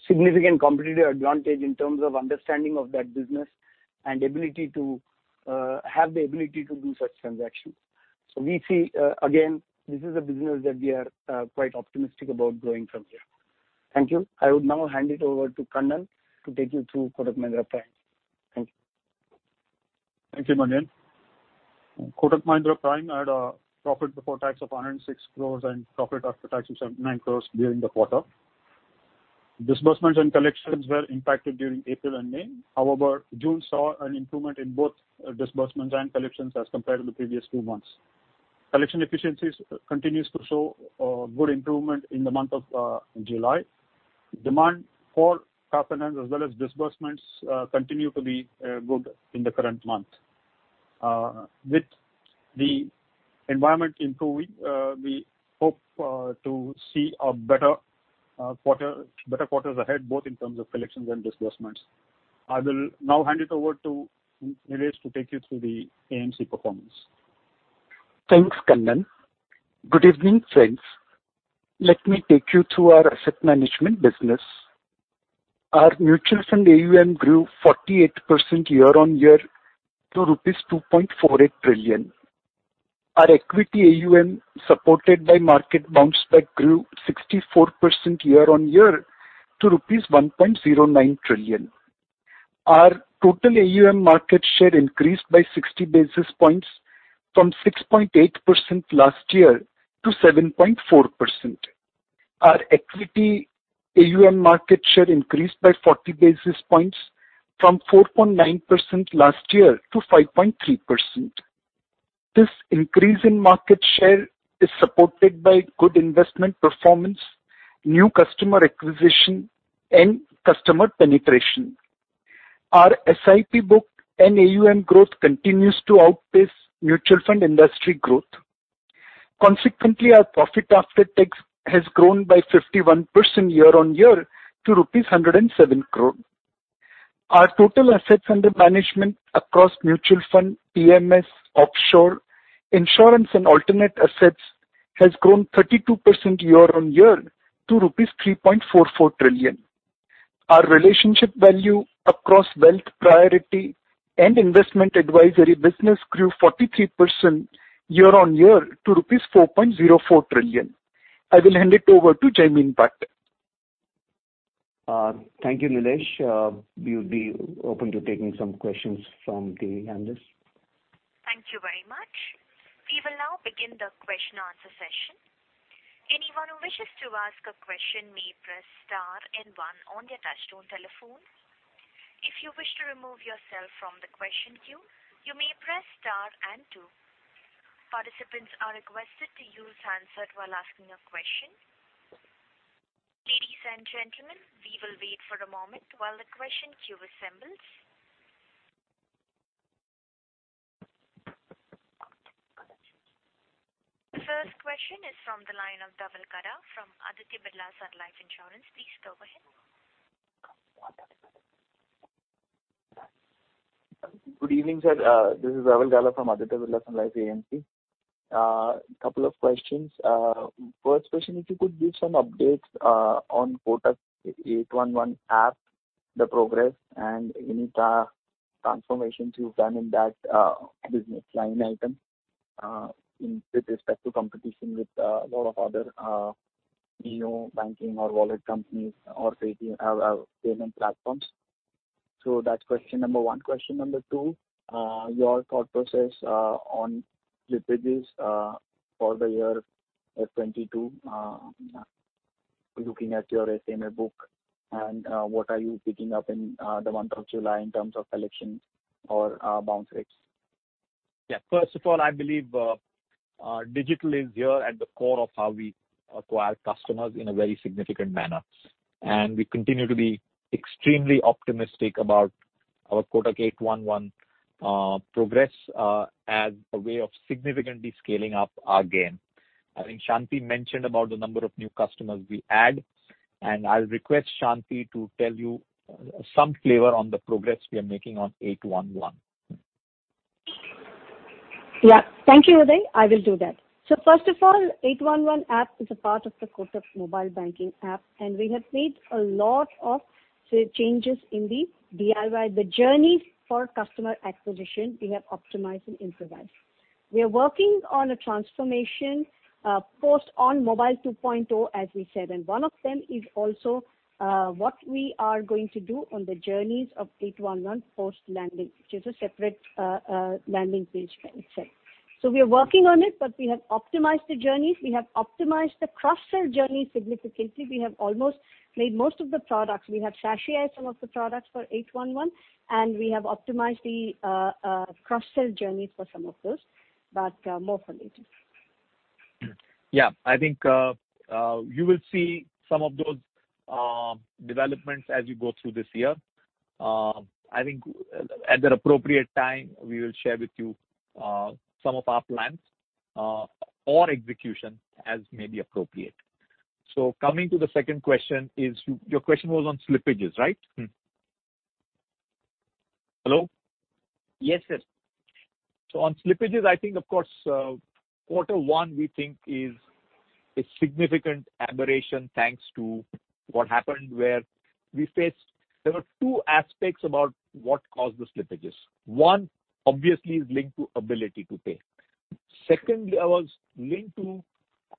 significant competitive advantage in terms of understanding of that business and have the ability to do such transactions. We see, again, this is a business that we are quite optimistic about growing from here. Thank you. I would now hand it over to Kannan to take you through Kotak Mahindra Prime. Thank you. Thank you, Manian. Kotak Mahindra Prime had a profit before tax of 106 crore and profit after tax of 79 crore during the quarter. Disbursement and collections were impacted during April and May. June saw an improvement in both disbursements and collections as compared to the previous two months. Collection efficiencies continues to show good improvement in the month of July. Demand for top finance as well as disbursements continue to be good in the current month. With the environment improving, we hope to see better quarters ahead, both in terms of collections and disbursements. I will now hand it over to Nilesh to take you through the AMC performance. Thanks, Kannan. Good evening, friends. Let me take you through our asset management business. Our mutual fund AUM grew 48% year-on-year to rupees 2.48 trillion. Our equity AUM supported by market bounce back grew 64% year-on-year to rupees 1.09 trillion. Our total AUM market share increased by 60 basis points from 6.8% last year to 7.4%. Our equity AUM market share increased by 40 basis points from 4.9% last year to 5.3%. This increase in market share is supported by good investment performance, new customer acquisition, and customer penetration. Our SIP book and AUM growth continues to outpace mutual fund industry growth. Consequently, our profit after tax has grown by 51% year-on-year to rupees 107 crore. Our total assets under management across mutual fund, PMS, offshore, insurance, and alternate assets has grown 32% year-on-year to rupees 3.44 trillion. Our relationship value across wealth priority and investment advisory business grew 43% year-on-year to rupees 4.04 trillion. I will hand it over to Jaimin Bhatt. Thank you, Nilesh. We would be open to taking some questions from the analysts. Thank you very much. We will now begin the question-answer-session. First question is from the line of Dhaval Gala from Aditya Birla Sun Life AMC. Please go ahead. Good evening, sir. This is Dhaval Gala from Aditya Birla Sun Life AMC. A couple of questions. First question, if you could give some updates on Kotak 811 app, the progress, and any transformations you've done in that business line item with respect to competition with a lot of other neo banking or wallet companies or payment platforms. That's question number one. Question number two, your thought process on slippages for the year FY 2022 looking at your SMA book and what are you picking up in the month of July in terms of collections or bounce rates? Yeah. First of all, I believe digital is here at the core of how we acquire customers in a very significant manner, and we continue to be extremely optimistic about our Kotak 811 progress as a way of significantly scaling up our game. I think Shanti mentioned about the number of new customers we add, and I'll request Shanti to tell you some flavor on the progress we are making on 811. Yeah. Thank you, Uday. I will do that. First of all, Kotak 811 is a part of the Kotak mobile banking app, and we have made a lot of changes in the DIY. The journeys for customer acquisition, we have optimized and improvised. We are working on a transformation post on Mobile 2.0, as we said, and one of them is also what we are going to do on the journeys of Kotak 811 post-landing, which is a separate landing page by itself. We are working on it, but we have optimized the journeys. We have optimized the cross-sell journey significantly. We have almost played most of the products. We have sachet-ized some of the products for Kotak 811, and we have optimized the cross-sell journeys for some of those, but more for later. Yeah. I think you will see some of those developments as we go through this year. I think at the appropriate time, we will share with you some of our plans or execution as may be appropriate. Coming to the second question is Your question was on slippages, right? Hello? Yes, sir. On slippages, I think, of course, quarter one we think is a significant aberration, thanks to what happened where we faced. There were two aspects about what caused the slippages. One, obviously, is linked to ability to pay. Secondly, linked to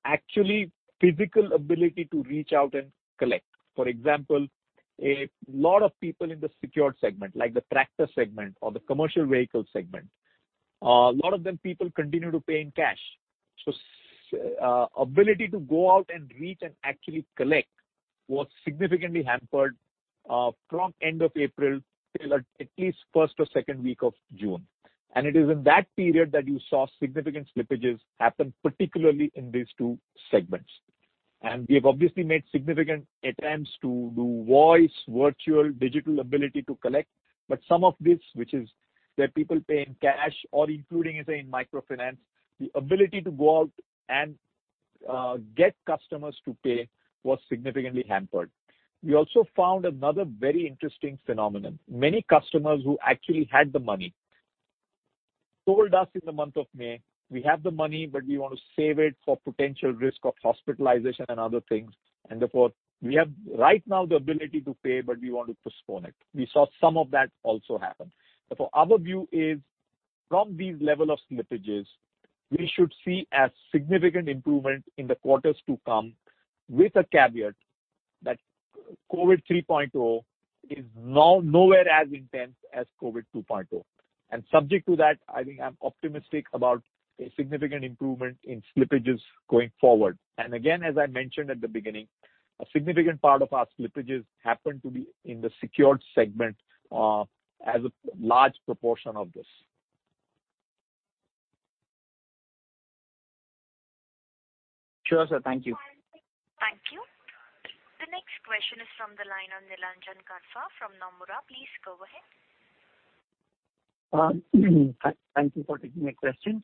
actually physical ability to reach out and collect. For example, a lot of people in the secured segment, like the tractor segment or the commercial vehicle segment a lot of them people continue to pay in cash. Ability to go out and reach and actually collect was significantly hampered from end of April till at least first or second week of June. It is in that period that you saw significant slippages happen, particularly in these two segments. We have obviously made significant attempts to do voice, virtual, digital ability to collect. Some of this, which is where people pay in cash or including, say, in microfinance, the ability to go out and get customers to pay was significantly hampered. We also found another very interesting phenomenon. Many customers who actually had the money told us in the month of May, "We have the money, but we want to save it for potential risk of hospitalization and other things, and therefore we have right now the ability to pay, but we want to postpone it." We saw some of that also happen. Therefore, our view is. From these level of slippages, we should see a significant improvement in the quarters to come with a caveat that COVID 3.0 is nowhere as intense as COVID 2.0. Subject to that, I think I'm optimistic about a significant improvement in slippages going forward. Again, as I mentioned at the beginning, a significant part of our slippages happen to be in the secured segment, as a large proportion of this. Sure, sir. Thank you. Thank you. The next question is from the line on Nilanjan Karfa from Nomura. Please go ahead. Thank you for taking my question.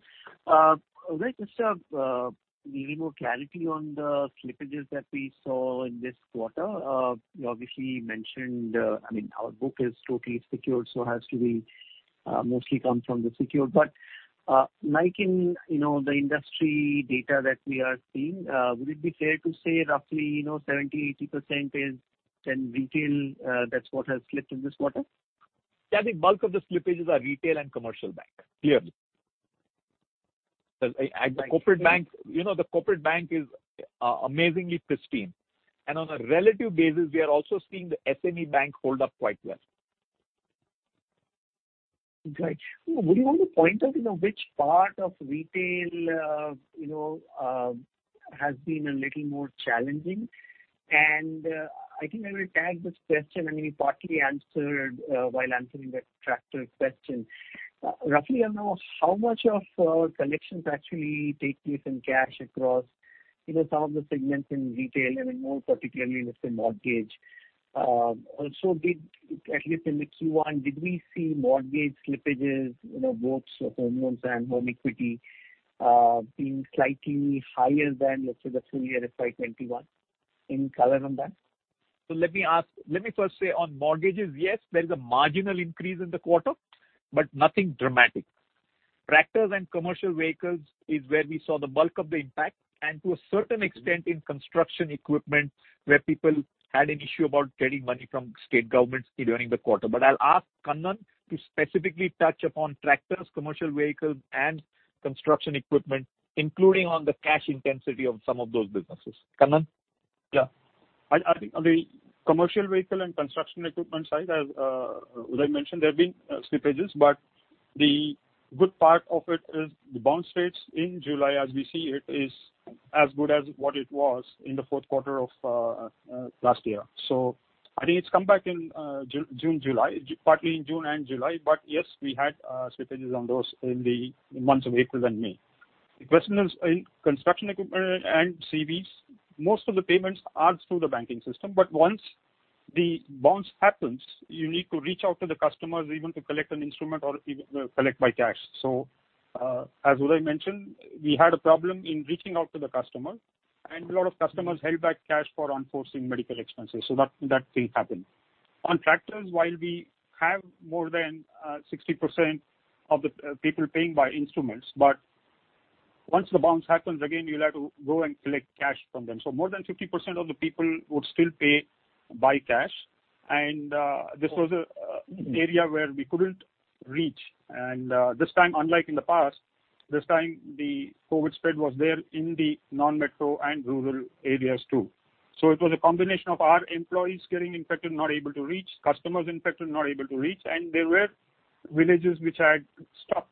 Uday, just needing more clarity on the slippages that we saw in this quarter. You obviously mentioned, our book is totally secured, so has to be mostly come from the secured. Like in the industry data that we are seeing, would it be fair to say roughly 70%, 80% is in retail, that's what has slipped in this quarter? Yeah, I think bulk of the slippages are retail and commercial bank, clearly. The corporate bank is amazingly pristine. On a relative basis, we are also seeing the SME bank hold up quite well. Great. Would you want to point out which part of retail has been a little more challenging? I think I will tag this question, you partly answered while answering that tractor question. Roughly, I don't know how much of collections actually take place in cash across some of the segments in retail, more particularly with the mortgage. At least in the Q1, did we see mortgage slippages, both for home loans and home equity, being slightly higher than, let's say, the full year of FY 2021? Any color on that? Let me first say on mortgages, yes, there is a marginal increase in the quarter, but nothing dramatic. Tractors and commercial vehicles is where we saw the bulk of the impact, and to a certain extent in construction equipment, where people had an issue about getting money from state governments during the quarter. I'll ask Kannan to specifically touch upon tractors, commercial vehicles, and construction equipment, including on the cash intensity of some of those businesses. Kannan? I think on the commercial vehicle and construction equipment side, as Uday mentioned, there have been slippages, but the good part of it is the bounce rates in July as we see it is as good as what it was in the fourth quarter of last year. I think it's come back partly in June and July. Yes, we had slippages on those in the months of April and May. The question is, in construction equipment and CVs, most of the payments are through the banking system, but once the bounce happens, you need to reach out to the customers even to collect an instrument or even collect by cash. As Uday mentioned, we had a problem in reaching out to the customer and a lot of customers held back cash for unforeseen medical expenses. That thing happened. On tractors, while we have more than 60% of the people paying by instruments, but once the bounce happens again, you'll have to go and collect cash from them. More than 50% of the people would still pay by cash. This was an area where we couldn't reach. This time, unlike in the past, this time the COVID spread was there in the non-metro and rural areas too. It was a combination of our employees getting infected, not able to reach, customers infected, not able to reach, and there were villages which had stopped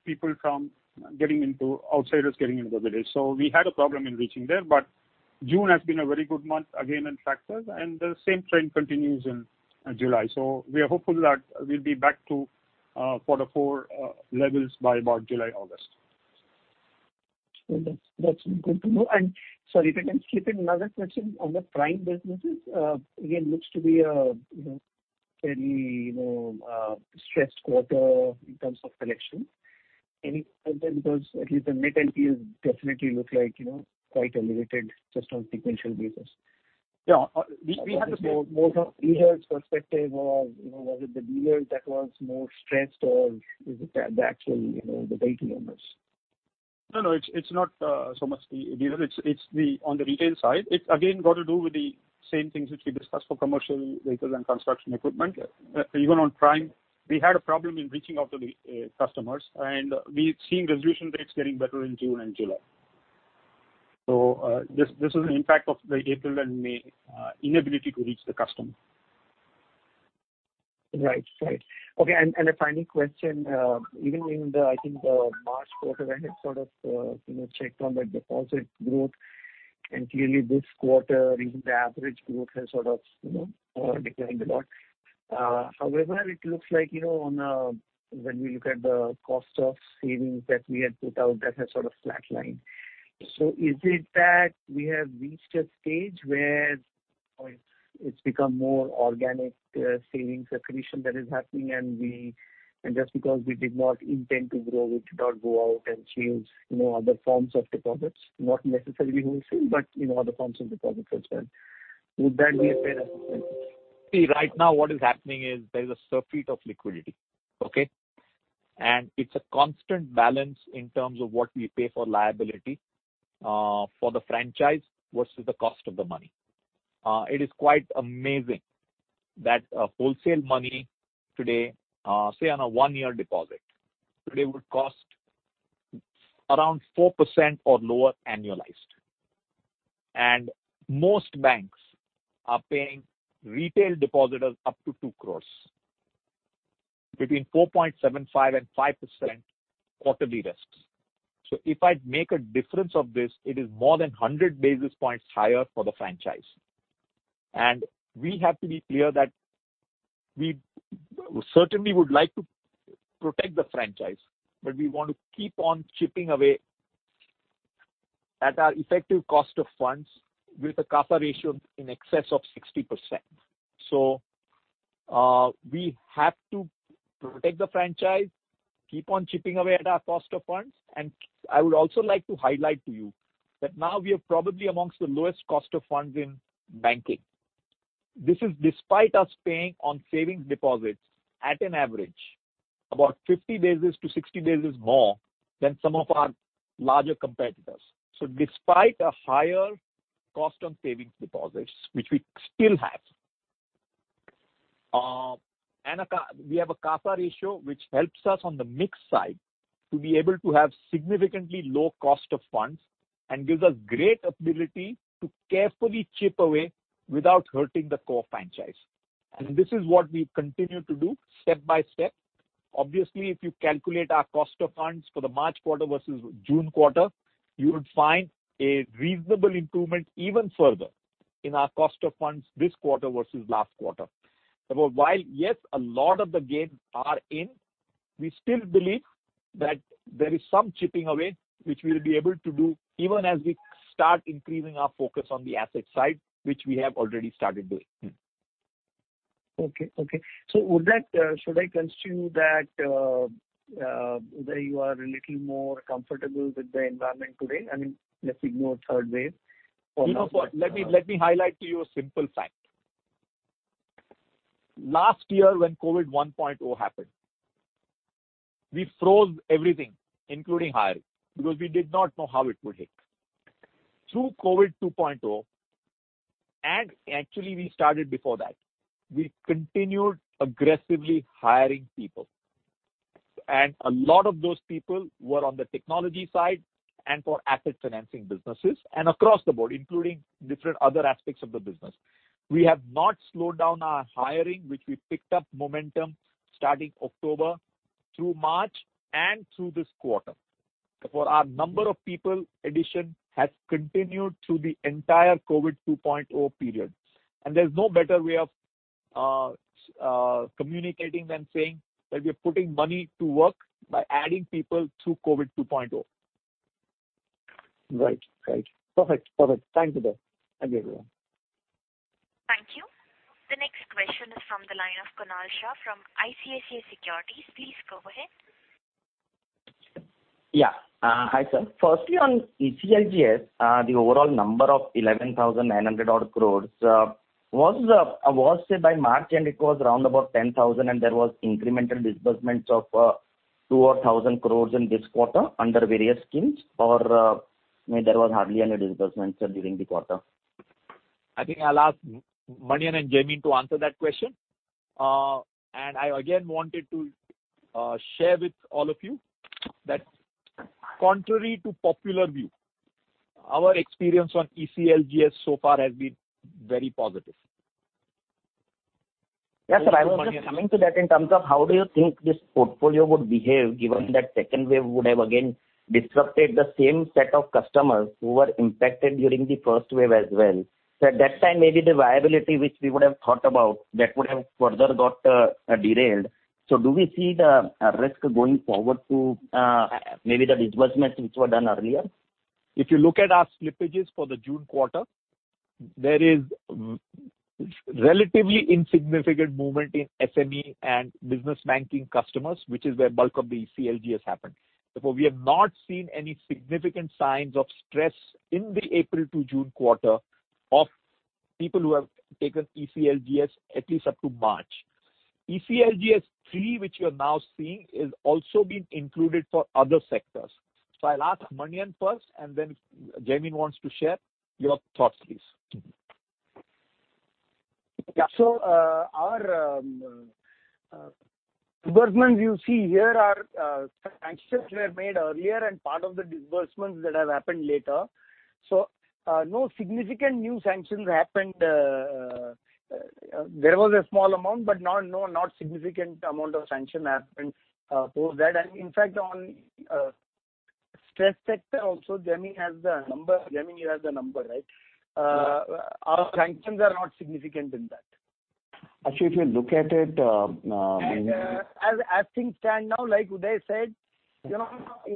outsiders getting into villages. We had a problem in reaching there, but June has been a very good month again in tractors, and the same trend continues in July. We are hopeful that we'll be back to quarter four levels by about July, August. That's good to know. Sorry if I can slip in another question on the Prime businesses. Again, looks to be a fairly stressed quarter in terms of collection. Any comment on those? At least the net NPLs definitely look like quite elevated just on sequential basis. Yeah. We have a more dealers perspective or was it the dealers that was more stressed or is it the actual, the retail owners? No, no, it's not so much the dealer. It's on the retail side. It's again got to do with the same things which we discussed for commercial vehicles and construction equipment. Even on Prime, we had a problem in reaching out to the customers, and we're seeing resolution rates getting better in June and July. This is an impact of the April and May inability to reach the customer. Right. Okay, a final question. Even in the, I think the March quarter, when I sort of checked on the deposit growth, clearly this quarter even the average growth has sort of declined a lot. It looks like when we look at the cost of savings that we had put out, that has sort of flatlined. Is it that we have reached a stage where it's become more organic savings accretion that is happening and just because we did not intend to grow, we did not go out and chase other forms of deposits, not necessarily wholesale, but other forms of deposits as well? Would that be a fair assessment? See, right now what is happening is there is a surfeit of liquidity. Okay. It's a constant balance in terms of what we pay for liability, for the franchise versus the cost of the money. It is quite amazing. That wholesale money today, say on a one year deposit, today would cost around 4% or lower annualized. Most banks are paying retail depositors up to 2 crore between 4.75%-5% quarterly risks. If I make a difference of this, it is more than 100 basis points higher for the franchise. We have to be clear that we certainly would like to protect the franchise, but we want to keep on chipping away at our effective cost of funds with a CASA ratio in excess of 60%. We have to protect the franchise, keep on chipping away at our cost of funds. I would also like to highlight to you that now we are probably amongst the lowest cost of funds in banking. This is despite us paying on savings deposits at an average about 50 basis to 60 basis more than some of our larger competitors. Despite a higher cost on savings deposits, which we still have, we have a CASA ratio which helps us on the mix side to be able to have significantly low cost of funds and gives us great ability to carefully chip away without hurting the core franchise. This is what we continue to do step by step. If you calculate our cost of funds for the March quarter versus June quarter, you would find a reasonable improvement even further in our cost of funds this quarter versus last quarter. While yes, a lot of the gains are in, we still believe that there is some chipping away, which we will be able to do even as we start increasing our focus on the asset side, which we have already started doing. Okay. Should I assume that you are a little more comfortable with the environment today? Let's ignore third wave for now. Let me highlight to you a simple fact. Last year when COVID 1.0 happened, we froze everything including hiring because we did not know how it would hit. Through COVID 2.0, actually we started before that, we continued aggressively hiring people. A lot of those people were on the technology side and for asset financing businesses and across the board, including different other aspects of the business. We have not slowed down our hiring, which we picked up momentum starting October through March and through this quarter. For our number of people addition has continued through the entire COVID 2.0 period. There's no better way of communicating than saying that we are putting money to work by adding people through COVID 2.0. Right. Perfect. Thank you, Uday. Thank you everyone. Thank you. The next question is from the line of Kunal Shah from ICICI Securities. Please go ahead. Yeah. Hi, sir. Firstly, on ECLGS, the overall number of 11,900 odd crores was by March, and it was around about 10,000 crores and there was incremental disbursements of 2,000 crores in this quarter under various schemes, or there was hardly any disbursements during the quarter? I think I'll ask Manian and Jaimin Bhatt to answer that question. I again wanted to share with all of you that contrary to popular view, our experience on ECLGS so far has been very positive. Yeah, sir, I was just coming to that in terms of how do you think this portfolio would behave given that second wave would have again disrupted the same set of customers who were impacted during the first wave as well. At that time, maybe the viability which we would have thought about that would have further got derailed. Do we see the risk going forward to maybe the disbursements which were done earlier? If you look at our slippages for the June quarter, there is relatively insignificant movement in SME and business banking customers, which is where bulk of the ECLGS happened. We have not seen any significant signs of stress in the April to June quarter of people who have taken ECLGS at least up to March. ECLGS 3, which you're now seeing, is also being included for other sectors. I'll ask Manian first, and then Jaimin Bhatt wants to share your thoughts, please. Yeah. Our disbursements you see here are sanctions were made earlier and part of the disbursements that have happened later. No significant new sanctions happened. There was a small amount, but no significant amount of sanction happened post that. In fact, on stress sector also, Jaimin, you have the number, right? Our sanctions are not significant in that. Actually, if you look at it. As things stand now, like Uday said, not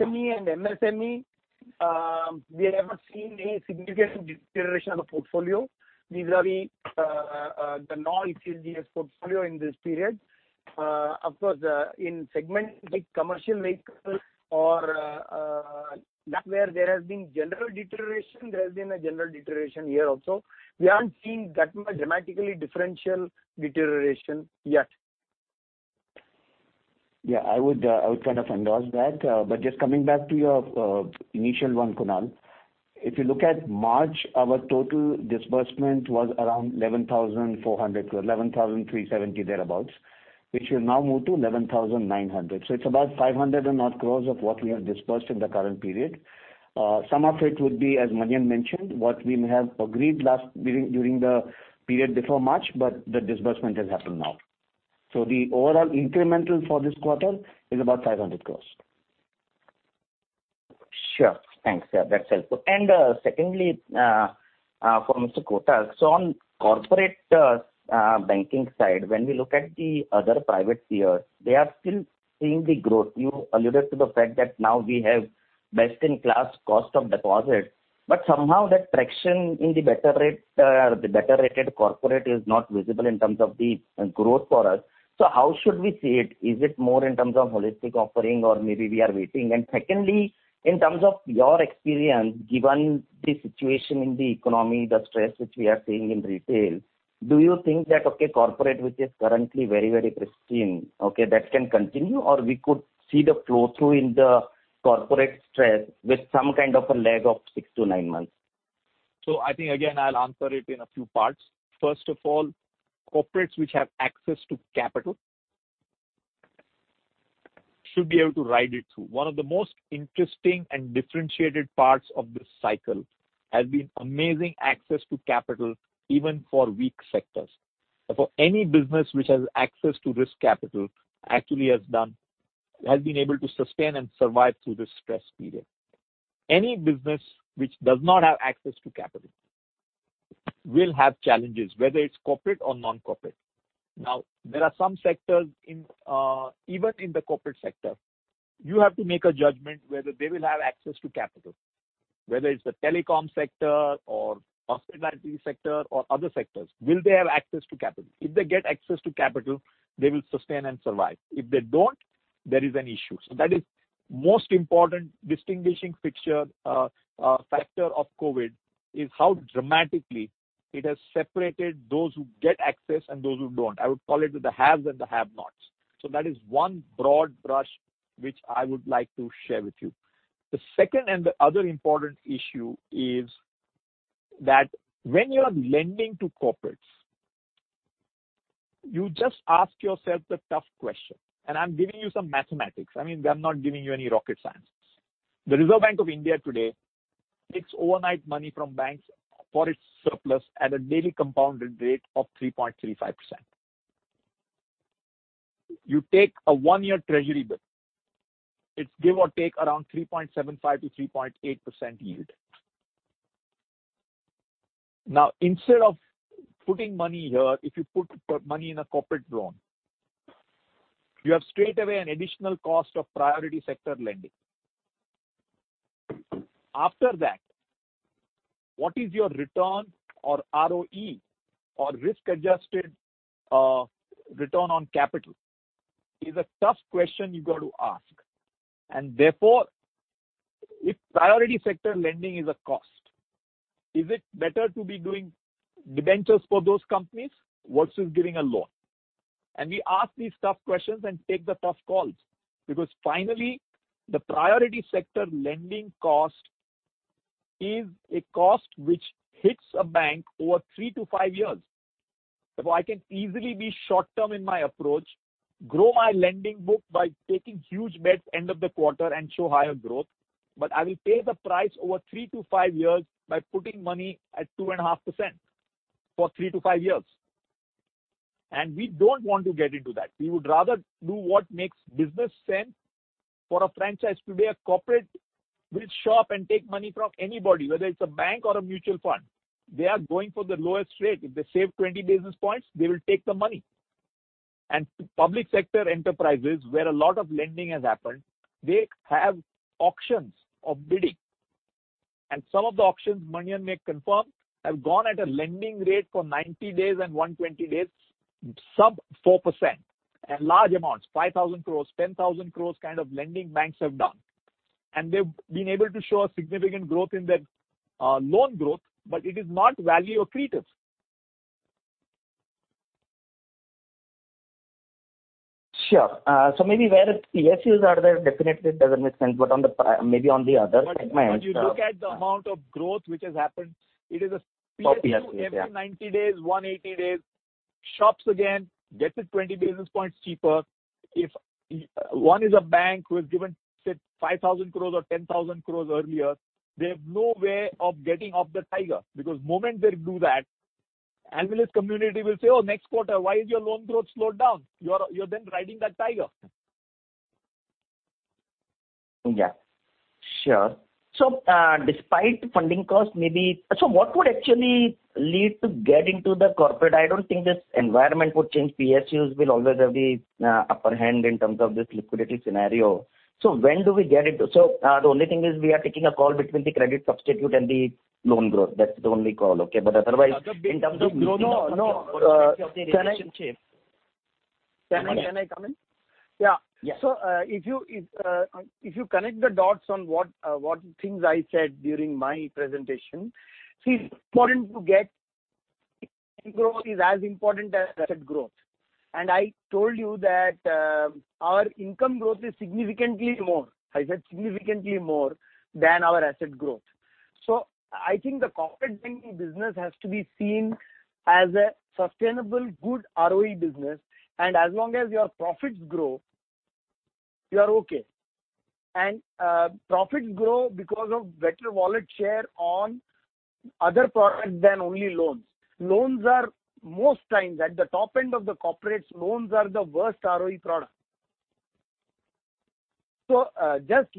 SME and MSME, we have not seen any significant deterioration of the portfolio vis-a-vis the non-ECLGS portfolio in this period. Of course, in segment like commercial vehicle or that where there has been general deterioration, there has been a general deterioration here also. We haven't seen that much dramatically differential deterioration yet Yeah, I would kind of endorse that. Just coming back to your initial one, Kunal. If you look at March, our total disbursement was around 11,400 to 11,370 thereabouts, which will now move to 11,900. It's about 500 and odd crores of what we have disbursed in the current period. Some of it would be, as Manian mentioned, what we may have agreed last during the period before March, the disbursement has happened now. The overall incremental for this quarter is about 500 crores. Sure. Thanks. Yeah, that's helpful. Secondly, for Mr. Kotak. On corporate banking side, when we look at the other private peers, they are still seeing the growth. You alluded to the fact that now we have best in class cost of deposit, but somehow that traction in the better rated corporate is not visible in terms of the growth for us. How should we see it? Is it more in terms of holistic offering or maybe we are waiting? Secondly, in terms of your experience, given the situation in the economy, the stress which we are seeing in retail, do you think that corporate, which is currently very pristine, that can continue, or we could see the flow-through in the corporate stress with some kind of a lag of six to nine months? I think, again, I'll answer it in a few parts. First of all, corporates which have access to capital should be able to ride it through. One of the most interesting and differentiated parts of this cycle has been amazing access to capital, even for weak sectors. For any business which has access to risk capital actually has been able to sustain and survive through this stress period. Any business which does not have access to capital will have challenges, whether it's corporate or non-corporate. There are some sectors even in the corporate sector, you have to make a judgment whether they will have access to capital, whether it's the telecom sector or hospitality sector or other sectors. Will they have access to capital? If they get access to capital, they will sustain and survive. If they don't, there is an issue. That is most important distinguishing factor of COVID is how dramatically it has separated those who get access and those who don't. I would call it the haves and the have-nots. That is one broad brush which I would like to share with you. The second and the other important issue is that when you are lending to corporates, you just ask yourself the tough question, and I mean, I'm giving you some mathematics. I'm not giving you any rocket science. The Reserve Bank of India today takes overnight money from banks for its surplus at a daily compounded rate of 3.35%. You take a one year treasury bill, it's give or take around 3.75%-3.8% yield. Instead of putting money here, if you put money in a corporate loan, you have straightaway an additional cost of priority sector lending. After that, what is your return or ROE or risk-adjusted return on capital is a tough question you got to ask. Therefore, if priority sector lending is a cost, is it better to be doing debentures for those companies versus giving a loan? We ask these tough questions and take the tough calls because finally the priority sector lending cost is a cost which hits a bank over three to five years. I can easily be short term in my approach, grow my lending book by taking huge bets end of the quarter and show higher growth, but I will pay the price over three to five years by putting money at 2.5% for three to five years. We don't want to get into that. We would rather do what makes business sense for a franchise. Today, a corporate will shop and take money from anybody, whether it's a bank or a mutual fund. They are going for the lowest rate. If they save 20 basis points, they will take the money. Public sector enterprises where a lot of lending has happened, they have auctions of bidding and some of the auctions Manian may confirm, have gone at a lending rate for 90 days and 120 days, sub 4% and large amounts, 5,000 crores, 10,000 crores kind of lending banks have done. They've been able to show a significant growth in their loan growth, but it is not value accretive. Sure. Maybe where PSUs are there definitely it doesn't make sense, but maybe on the other segment. When you look at the amount of growth which has happened, it is. For PSBs, yeah. PSU every 90 days, 180 days shops again, gets it 20 basis points cheaper. If one is a bank who has given, say, 5,000 crores or 10,000 crores earlier, they have no way of getting off the tiger because moment they do that, analyst community will say, "Oh, next quarter why is your loan growth slowed down?" You're then riding that tiger. Yeah, sure. What would actually lead to get into the corporate? I don't think this environment would change. PSUs will always have the upper hand in terms of this liquidity scenario. The only thing is we are taking a call between the credit substitute and the loan growth. That's the only call, okay. Otherwise in terms of growth. No. Of the relationship. Can I come in? Yeah. If you connect the dots on what things I said during my presentation, see it's important to get. Income growth is as important as asset growth. I told you that our income growth is significantly more. I said significantly more than our asset growth. I think the corporate banking business has to be seen as a sustainable good ROE business, and as long as your profits grow, you are okay. Profits grow because of better wallet share on other products than only loans. Most times, at the top end of the corporates, loans are the worst ROE product. Just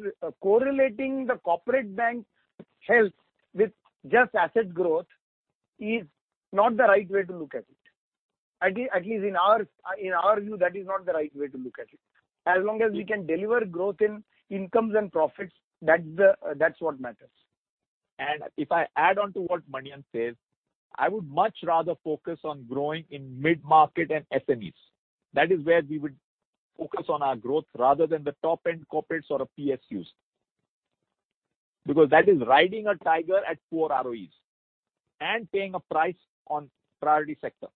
correlating the corporate bank health with just asset growth is not the right way to look at it. At least in our view, that is not the right way to look at it. As long as we can deliver growth in incomes and profits, that's what matters. If I add on to what Manian says, I would much rather focus on growing in mid-market and SMEs. That is where we would focus on our growth rather than the top-end corporates or the PSUs. That is riding a tiger at poor ROEs and paying a price on priority sector.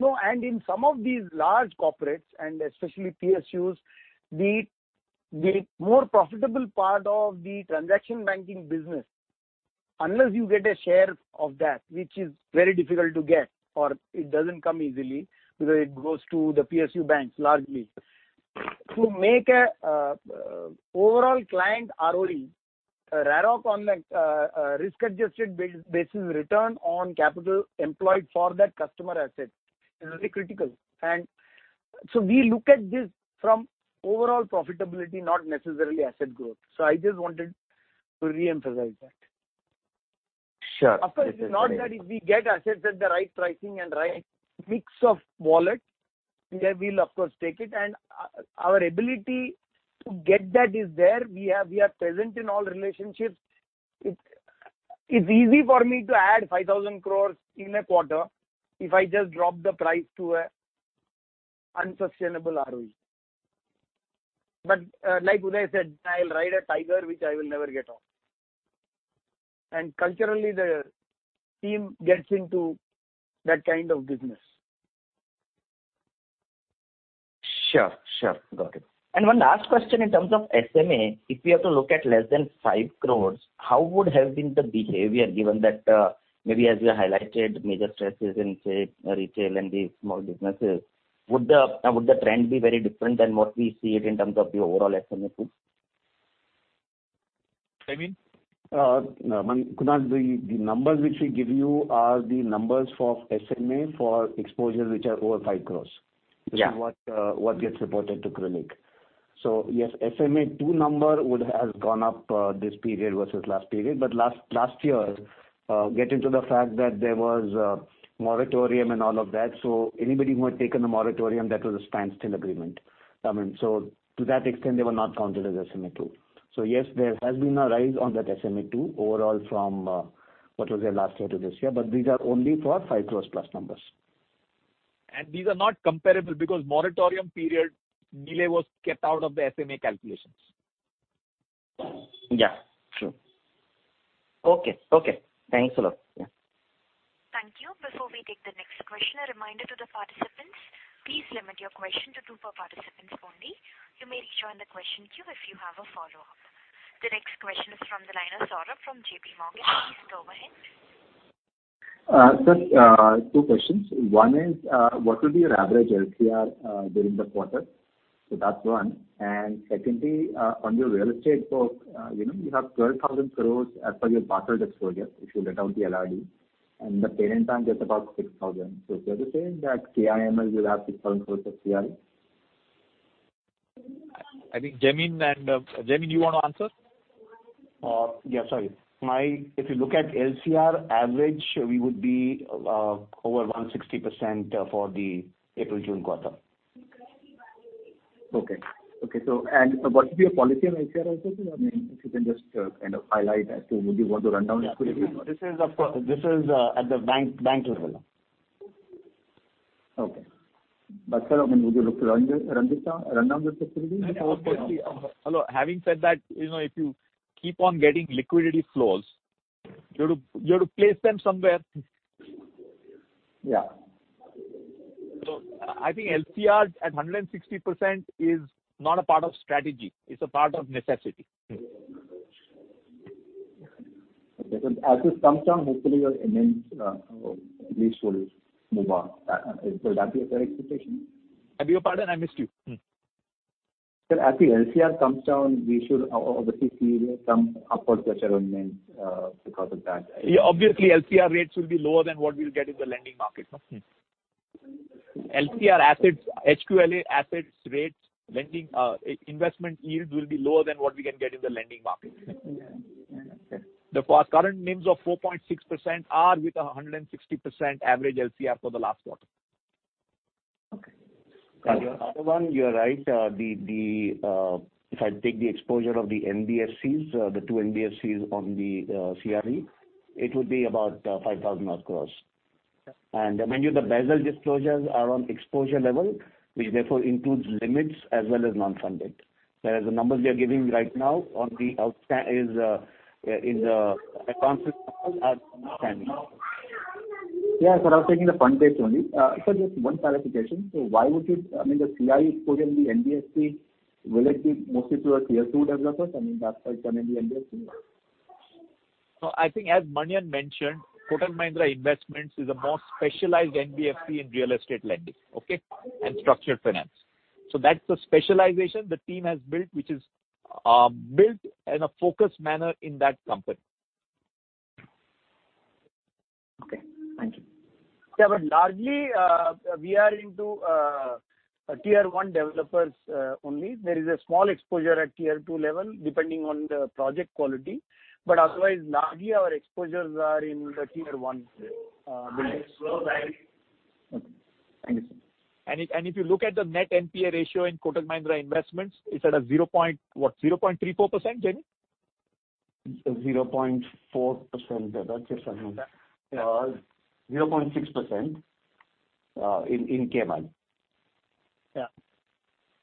No, in some of these large corporates and especially PSUs, the more profitable part of the transaction banking business, unless you get a share of that, which is very difficult to get, or it doesn't come easily because it goes to the PSU banks largely. To make an overall client ROE, a rare risk-adjusted basis return on capital employed for that customer asset is very critical. We look at this from overall profitability, not necessarily asset growth. I just wanted to re-emphasize that. Sure. Of course, it is not that if we get assets at the right pricing and right mix of wallet, we'll of course take it. Our ability to get that is there. We are present in all relationships. It's easy for me to add 5,000 crores in a quarter if I just drop the price to an unsustainable ROE. But like Uday said, I'll ride a tiger, which I will never get off. Culturally, the team gets into that kind of business. Sure. Got it. One last question in terms of SMA, if we have to look at less than 5 crores, how would have been the behavior given that maybe as you highlighted major stresses in, say, retail and the small businesses, would the trend be very different than what we see it in terms of the overall SMA tools? Jaimin? Kunal, the numbers which we give you are the numbers for SMA for exposure which are over 5 crores. Yeah. This is what gets reported to CRILC. [inaudible] Thank you. Before we take the next question, a reminder to the participants, please limit your question to two per participant only. You may rejoin the question queue if you have a follow-up. The next question is from the line of Saurabh from JPMorgan. Please go ahead. Sir, two questions. One is, what will be your average LCR during the quarter? That's one. Secondly, on your real estate book, you have 12,000 crores as per your parcel exposure, if you let out the LRD and the parent arm gets about 6,000. Is it fair to say that KMIL will have 6,000 crores of CRE? Jaimin, do you want to answer? Yeah, sorry. If you look at LCR average, we would be over 160% for the April-June quarter. Okay. What would be your policy on LCR also? If you can just kind of highlight as to would you want to run down liquidity- This is at the bank level. Okay. Sir, would you look to run down the liquidity? Having said that, if you keep on getting liquidity flows, you have to place them somewhere. Yeah. I think LCR at 160% is not a part of strategy. It's a part of necessity. Okay. As this comes down, hopefully your NIMs at least will move up. Would that be a fair expectation? I beg your pardon, I missed you. Sir, as the LCR comes down, we should obviously see some upward pressure on NIMs because of that. Obviously, LCR rates will be lower than what we'll get in the lending market. HQLA assets rates, investment yields will be lower than what we can get in the lending market. Yeah. Okay. The current NIMs of 4.6% are with 160% average LCR for the last quarter. Okay. Got it. The other one, you're right. If I take the exposure of the two NBFCs on the CRE, it would be about 5,000 odd crores. Mind you, the Basel disclosures are on exposure level, which therefore includes limits as well as non-funded. Whereas the numbers we are giving right now on the outstanding is in the advances are outstanding. Yes, I was taking the front page only. Sir, just one clarification. Why would the CRE exposure in the NBFC relate mostly to a Tier 2 developer? I mean, that's why it's under the NBFC. No, I think as Manian mentioned, Kotak Mahindra Investments is a more specialized NBFC in real estate lending, okay? Structured finance. That's the specialization the team has built, which is built in a focused manner in that company. Okay, thank you. Largely, we are into Tier 1 developers only. There is a small exposure at Tier 2 level, depending on the project quality. Otherwise, largely our exposures are in the Tier 1. Okay. Thank you, sir. If you look at the net NPA ratio in Kotak Mahindra Investments, it's at a zero point what? 0.34%, Jaimin? 0.4%, that's just 0.6% in KMIL. Yeah.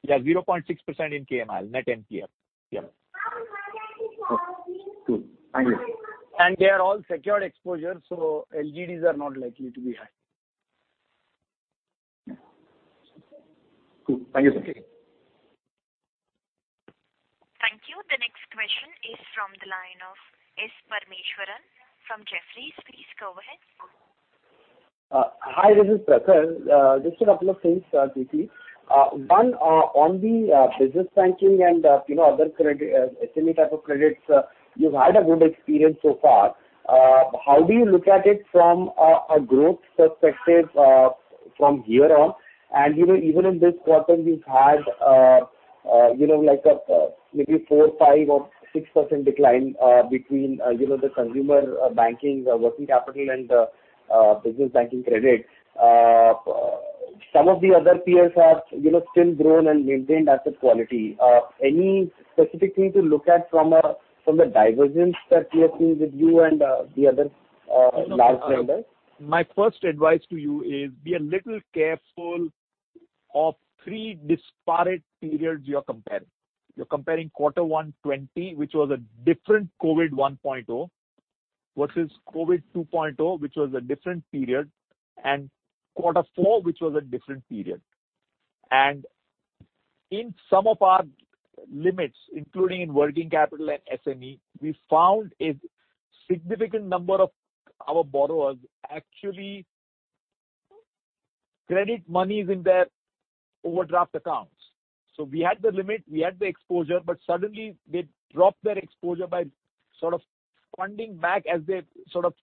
0.6% in KMIL, net NPA. Yeah. Okay. Cool. Thank you. They are all secured exposure, so LGDs are not likely to be high. Yeah. Cool. Thank you, sir. Thank you. The next question is from the line of Prakhar Sharma from Jefferies. Please go ahead. Hi, this is Prakhar. Just a couple of things, GT. One, on the business banking and other SME type of credits, you've had a good experience so far. How do you look at it from a growth perspective from here on? Even in this quarter, you've had maybe 4%, 5% or 6% decline between the consumer banking, working capital, and business banking credit. Some of the other peers have still grown and maintained asset quality. Any specific thing to look at from the divergence that we have seen with you and the other large lenders? My first advice to you is be a little careful of three disparate periods you are comparing. You're comparing Q1 2020, which was a different COVID 1.0, versus COVID 2.0, which was a different period. Q4, which was a different period. In some of our limits, including in working capital and SME, we found a significant number of our borrowers actually credit monies in their overdraft accounts. We had the limit, we had the exposure. Suddenly they dropped their exposure by sort of funding back as they sort of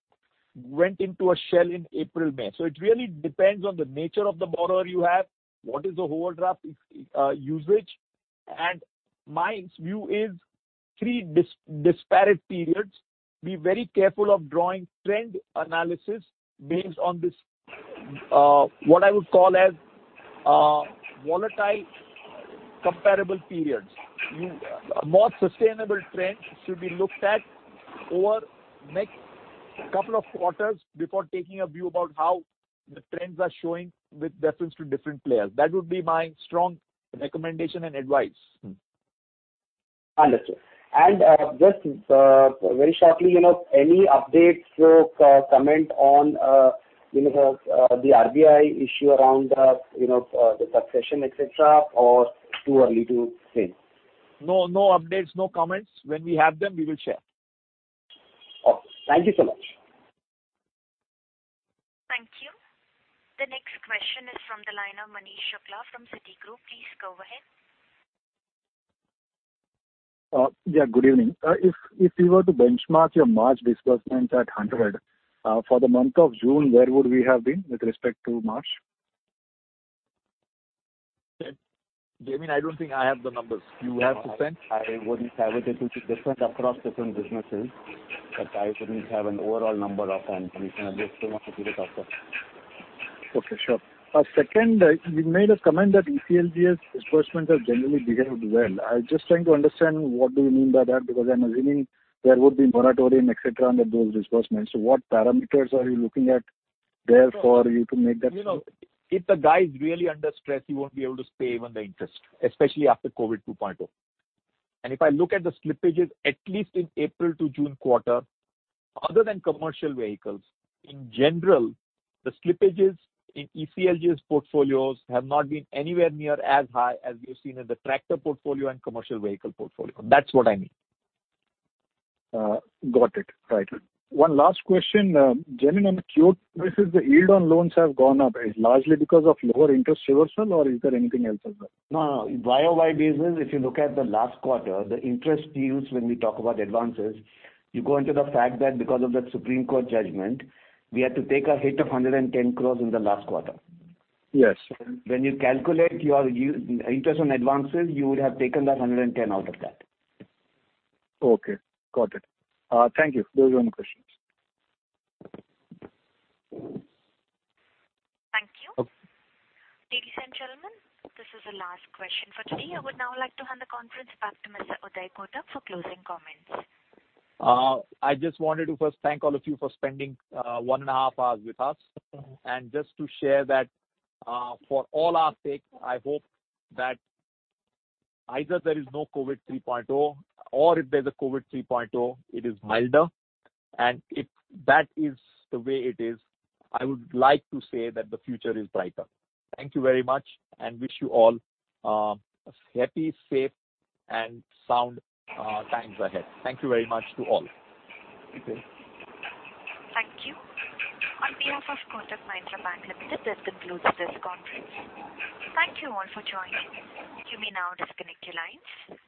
went into a shell in April, May. It really depends on the nature of the borrower you have, what is the overdraft usage. My view is three disparate periods. Be very careful of drawing trend analysis based on this, what I would call as volatile comparable periods. A more sustainable trend should be looked at over next couple of quarters before taking a view about how the trends are showing with reference to different players. That would be my strong recommendation and advice. Understood. Just very shortly, any updates or comment on the RBI issue around the succession, et cetera, or too early to say? No updates, no comments. When we have them, we will share. Okay. Thank you so much. Thank you. The next question is from the line of Manish Shukla from Citigroup. Please go ahead. Good evening. If we were to benchmark your March disbursements at 100, for the month of June, where would we have been with respect to March? Jaimin, I don't think I have the numbers. You have? [inaudible] I wouldn't have it. It would be different across different businesses, but I wouldn't have an overall number off hand. We can address [inaudible] with it after. Okay, sure. Second, you made a comment that ECLGS disbursements have generally behaved well. I'm just trying to understand what do you mean by that, because I'm assuming there would be moratorium, et cetera, under those disbursements. What parameters are you looking at there for you to make that. If the guy is really under stress, he won't be able to pay even the interest, especially after COVID 2.0. If I look at the slippages, at least in April to June quarter, other than commercial vehicles, in general, the slippages in ECLGS portfolios have not been anywhere near as high as we've seen in the tractor portfolio and commercial vehicle portfolio. That's what I mean. Got it. Right. One last question. Jaimin Bhatt, on the Q2 releases, the yield on loans have gone up. Is it largely because of lower interest reversal or is there anything else as well? YoY basis, if you look at the last quarter, the interest yields when we talk about advances, you go into the fact that because of that Supreme Court judgment, we had to take a hit of 110 crores in the last quarter. Yes. When you calculate your interest on advances, you would have taken that 110 out of that. Okay. Got it. Thank you. Those are my questions. Thank you. Okay. Ladies and gentlemen, this is the last question for today. I would now like to hand the conference back to Mr. Uday Kotak for closing comments. I just wanted to first thank all of you for spending one and a half hours with us. Just to share that for all our sake, I hope that either there is no COVID 3.0 or if there's a COVID 3.0, it is milder. If that is the way it is, I would like to say that the future is brighter. Thank you very much and wish you all a happy, safe and sound times ahead. Thank you very much to all. Okay. Thank you. On behalf of Kotak Mahindra Bank Limited, this concludes this conference. Thank you all for joining. You may now disconnect your lines.